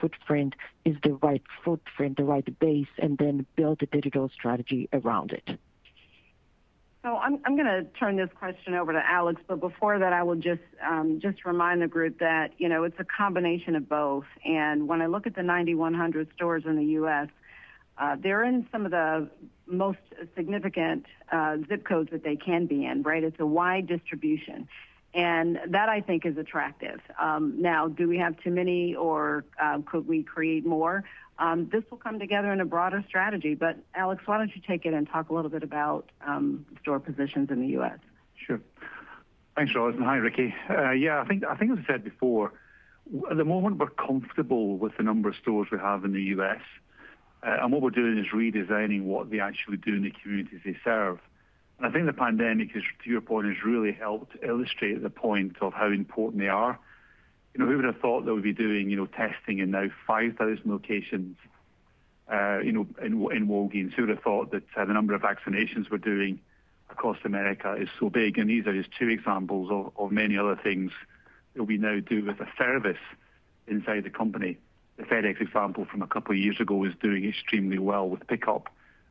footprint is the right footprint, the right base, and then build a digital strategy around it? I'm going to turn this question over to Alex, but before that, I will just remind the group that it's a combination of both. When I look at the 9,100 stores in the U.S., they're in some of the most significant zip codes that they can be in. It's a wide distribution, and that I think is attractive. Do we have too many, or could we create more? This will come together in a broader strategy, Alex, why don't you take it and talk a little bit about store positions in the U.S.? Sure. Thanks, Roz, and hi, Ricky. Yeah, I think as I said before, at the moment, we're comfortable with the number of stores we have in the U.S., and what we're doing is redesigning what they actually do in the communities they serve. I think the pandemic is, to your point, has really helped illustrate the point of how important they are. Who would've thought that we'd be doing testing in now 5,000 locations in Walgreens? Who would've thought that the number of vaccinations we're doing across America is so big? These are just two examples of many other things that we now do as a service inside the company. The FedEx example from a couple of years ago is doing extremely well with pickup,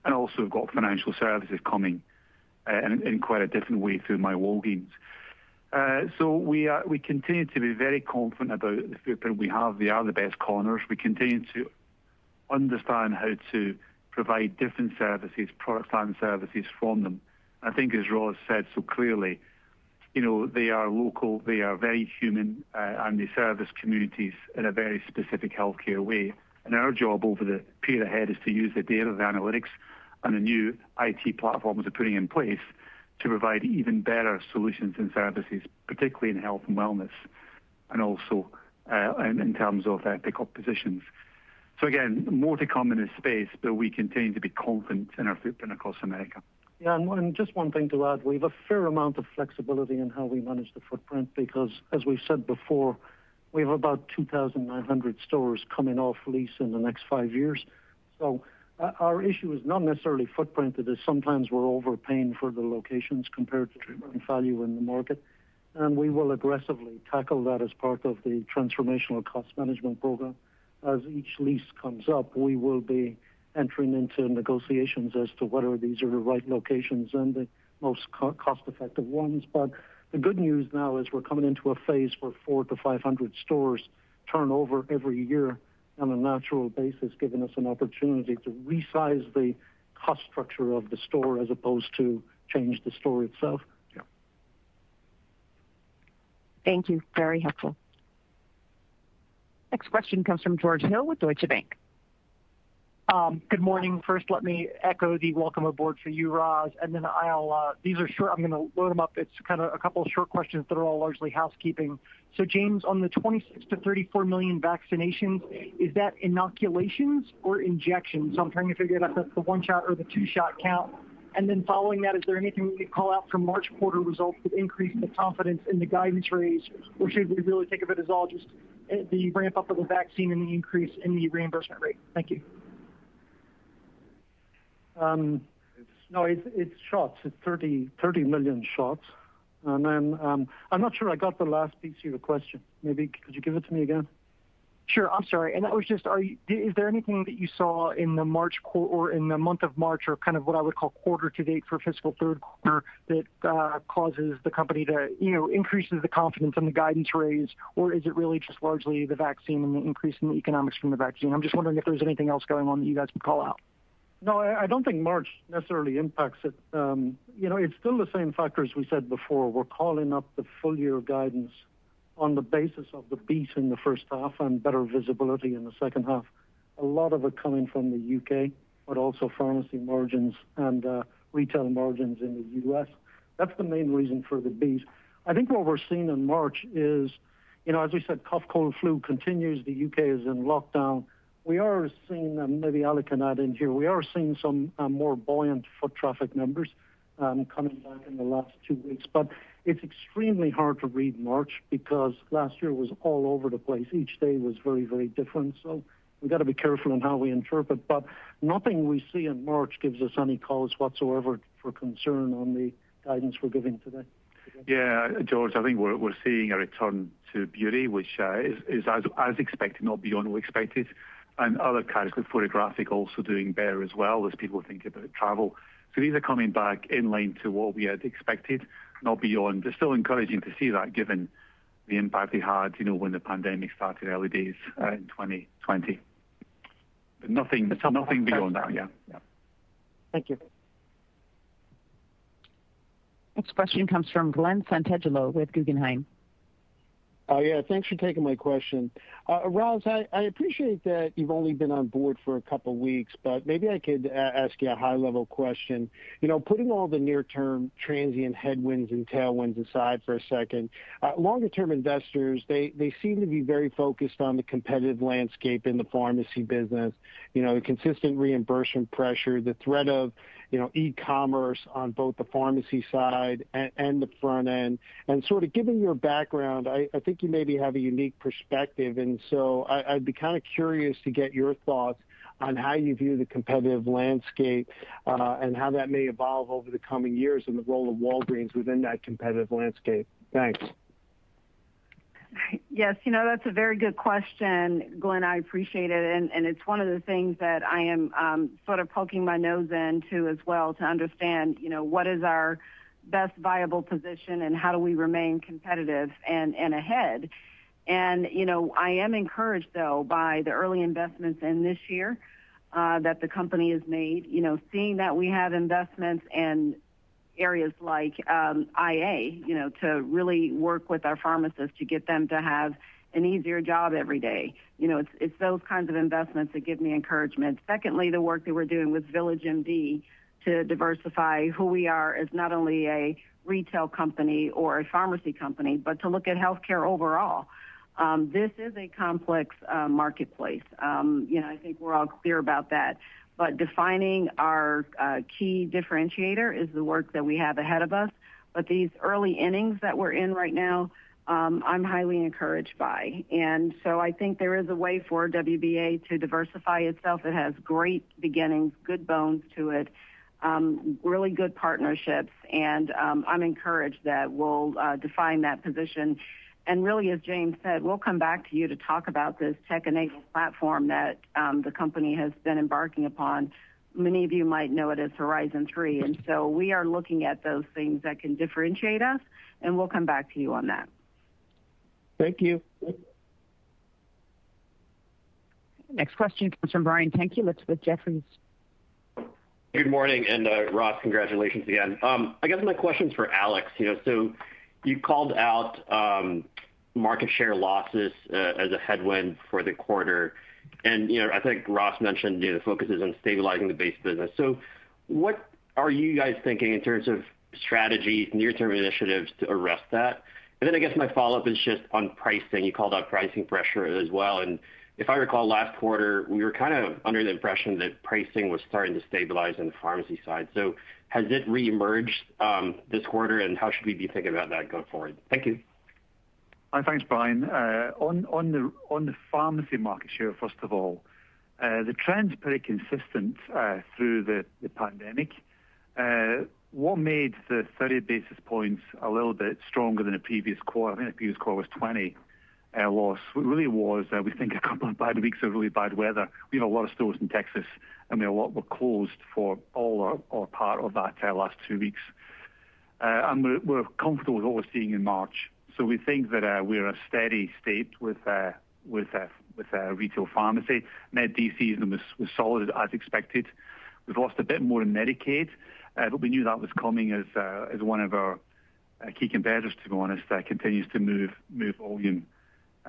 and also we've got financial services coming in quite a different way through myWalgreens. We continue to be very confident about the footprint we have. They are the best corners. We continue to understand how to provide different services, products, and services from them. I think as Roz said so clearly, they are local, they are very human, and they service communities in a very specific healthcare way. Our job over the period ahead is to use the data, the analytics, and the new IT platforms we're putting in place to provide even better solutions and services, particularly in health and wellness, and also in terms of our pickup positions. Again, more to come in this space, but we continue to be confident in our footprint across America. Yeah, just one thing to add. We've a fair amount of flexibility in how we manage the footprint because, as we've said before, we have about 2,900 stores coming off lease in the next five years. Our issue is not necessarily footprint. It is sometimes we're overpaying for the locations compared to treatment value in the market, we will aggressively tackle that as part of the transformational cost management program. As each lease comes up, we will be entering into negotiations as to whether these are the right locations and the most cost-effective ones. The good news now is we're coming into a phase where 400-500 stores turn over every year on a natural basis, giving us an opportunity to resize the cost structure of the store as opposed to change the store itself. Yeah. Thank you. Very helpful. Next question comes from George Hill with Deutsche Bank. Good morning. First, let me echo the welcome aboard for you, Roz. These are short. I'm going to load them up. It's kind of a couple of short questions that are all largely housekeeping. James, on the 26 million-34 million vaccinations, is that inoculations or injections? I'm trying to figure out if that's the one-shot or the two-shot count. Following that, is there anything we could call out from March quarter results that increase the confidence in the guidance range, or should we really think of it as all just the ramp-up of the vaccine and the increase in the reimbursement rate? Thank you. No, it's shots. It's 30 million shots. I'm not sure I got the last piece of your question. Maybe could you give it to me again? Sure. I'm sorry. Is there anything that you saw in the month of March or kind of what I would call quarter to date for fiscal third quarter that causes the company to increase the confidence in the guidance range, or is it really just largely the vaccine and the increase in the economics from the vaccine? I'm just wondering if there's anything else going on that you guys can call out. No, I don't think March necessarily impacts it. It's still the same factors we said before. We're calling up the full-year guidance on the basis of the beat in the first half and better visibility in the second half. A lot of it coming from the U.K., but also pharmacy margins and retail margins in the U.S. That's the main reason for the beat. I think what we're seeing in March is, as we said, cough, cold, flu continues. The U.K. is in lockdown. We are seeing, and maybe Alex can add in here, we are seeing some more buoyant foot traffic numbers coming back in the last two weeks. It's extremely hard to read March because last year was all over the place. Each day was very different. We've got to be careful in how we interpret, but nothing we see in March gives us any cause whatsoever for concern on the guidance we're giving today. Yeah. George, I think we're seeing a return to beauty, which is as expected, not beyond what we expected. Other categories, photographic also doing better as well as people think about travel. These are coming back in line to what we had expected, not beyond. It's still encouraging to see that given the impact we had when the pandemic started early days in 2020. Nothing beyond that. Yeah. Thank you. Next question comes from Glen Santangelo with Guggenheim. Thanks for taking my question. Roz, I appreciate that you've only been on board for a couple of weeks, but maybe I could ask you a high-level question. Putting all the near-term transient headwinds and tailwinds aside for a second, longer-term investors, they seem to be very focused on the competitive landscape in the pharmacy business. The consistent reimbursement pressure, the threat of e-commerce on both the pharmacy side and the front end. Given your background, I think you maybe have a unique perspective. I'd be kind of curious to get your thoughts on how you view the competitive landscape, and how that may evolve over the coming years and the role of Walgreens within that competitive landscape. Thanks. Yes. That's a very good question, Glen. I appreciate it, and it's one of the things that I am sort of poking my nose into as well to understand, what is our best viable position and how do we remain competitive and ahead. I am encouraged, though, by the early investments in this year that the company has made. Seeing that we have investments in areas like iA, to really work with our pharmacists to get them to have an easier job every day. It's those kinds of investments that give me encouragement. Secondly, the work that we're doing with VillageMD to diversify who we are as not only a retail company or a pharmacy company, but to look at healthcare overall. This is a complex marketplace. I think we're all clear about that. Defining our key differentiator is the work that we have ahead of us. These early innings that we're in right now, I'm highly encouraged by. I think there is a way for WBA to diversify itself. It has great beginnings, good bones to it, really good partnerships, and I'm encouraged that we'll define that position. Really, as James said, we'll come back to you to talk about this tech-enabled platform that the company has been embarking upon. Many of you might know it as Horizon 3. We are looking at those things that can differentiate us, and we'll come back to you on that. Thank you. Next question comes from Brian Tanquilut with Jefferies. Good morning. Roz, congratulations again. I guess my question's for Alex. You called out market share losses as a headwind for the quarter. I think Roz mentioned the focus is on stabilizing the base business. What are you guys thinking in terms of strategies, near-term initiatives to arrest that? I guess my follow-up is just on pricing. You called out pricing pressure as well. If I recall last quarter, we were kind of under the impression that pricing was starting to stabilize on the pharmacy side. Has it reemerged this quarter, and how should we be thinking about that going forward? Thank you. Thanks, Brian. On the pharmacy market share, first of all, the trend's pretty consistent through the pandemic. What made the 30 basis points a little bit stronger than the previous quarter, I think the previous quarter was 20 loss, really was, we think, a couple of bad weeks of really bad weather. We have a lot of stores in Texas, a lot were closed for all or part of that last two weeks. We're comfortable with what we're seeing in March. We think that we're at a steady state with retail pharmacy. Med D season was solid as expected. We've lost a bit more to Medicaid, we knew that was coming as one of our key competitors, to be honest, continues to move volume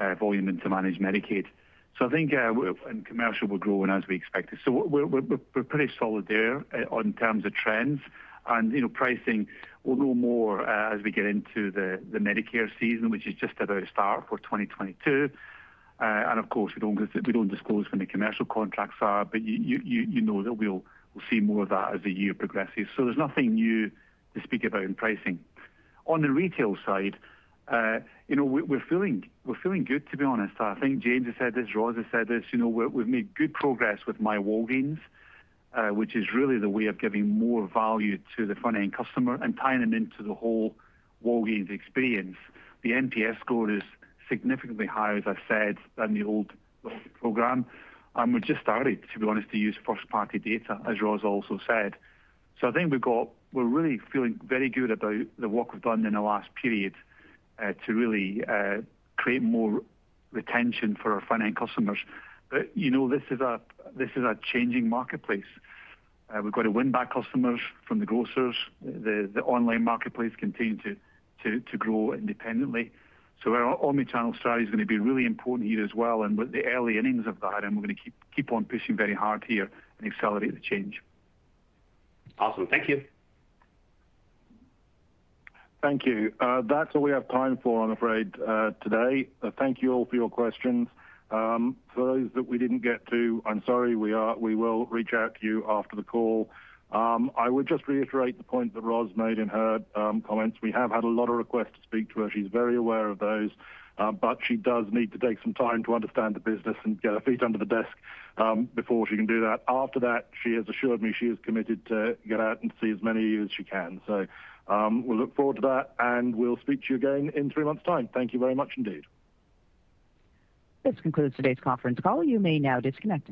into managed Medicaid. Commercial we're growing as we expected. We're pretty solid there in terms of trends. Pricing will know more as we get into the Medicare season, which is just about to start for 2022. Of course, we don't disclose when the commercial contracts are, but you know that we'll see more of that as the year progresses. There's nothing new to speak about in pricing. On the retail side, we're feeling good, to be honest. I think James has said this, Roz has said this. We've made good progress with myWalgreens, which is really the way of giving more value to the front-end customer and tying them into the whole Walgreens experience. The NPS score is significantly higher, as I said, than the old program. We just started, to be honest, to use first-party data, as Roz also said. I think we're really feeling very good about the work we've done in the last period to really create more retention for our front-end customers. This is a changing marketplace. We've got to win back customers from the grocers. The online marketplace continue to grow independently. Our omnichannel strategy is going to be really important here as well. We're at the early innings of that, and we're going to keep on pushing very hard here and accelerate the change. Awesome. Thank you. Thank you. That's all we have time for, I'm afraid, today. Thank you all for your questions. For those that we didn't get to, I'm sorry. We will reach out to you after the call. I would just reiterate the point that Roz made in her comments. We have had a lot of requests to speak to her. She's very aware of those. She does need to take some time to understand the business and get her feet under the desk before she can do that. After that, she has assured me she is committed to get out and see as many of you as she can. We'll look forward to that, and we'll speak to you again in three months' time. Thank you very much indeed. This concludes today's conference call. You may now disconnect.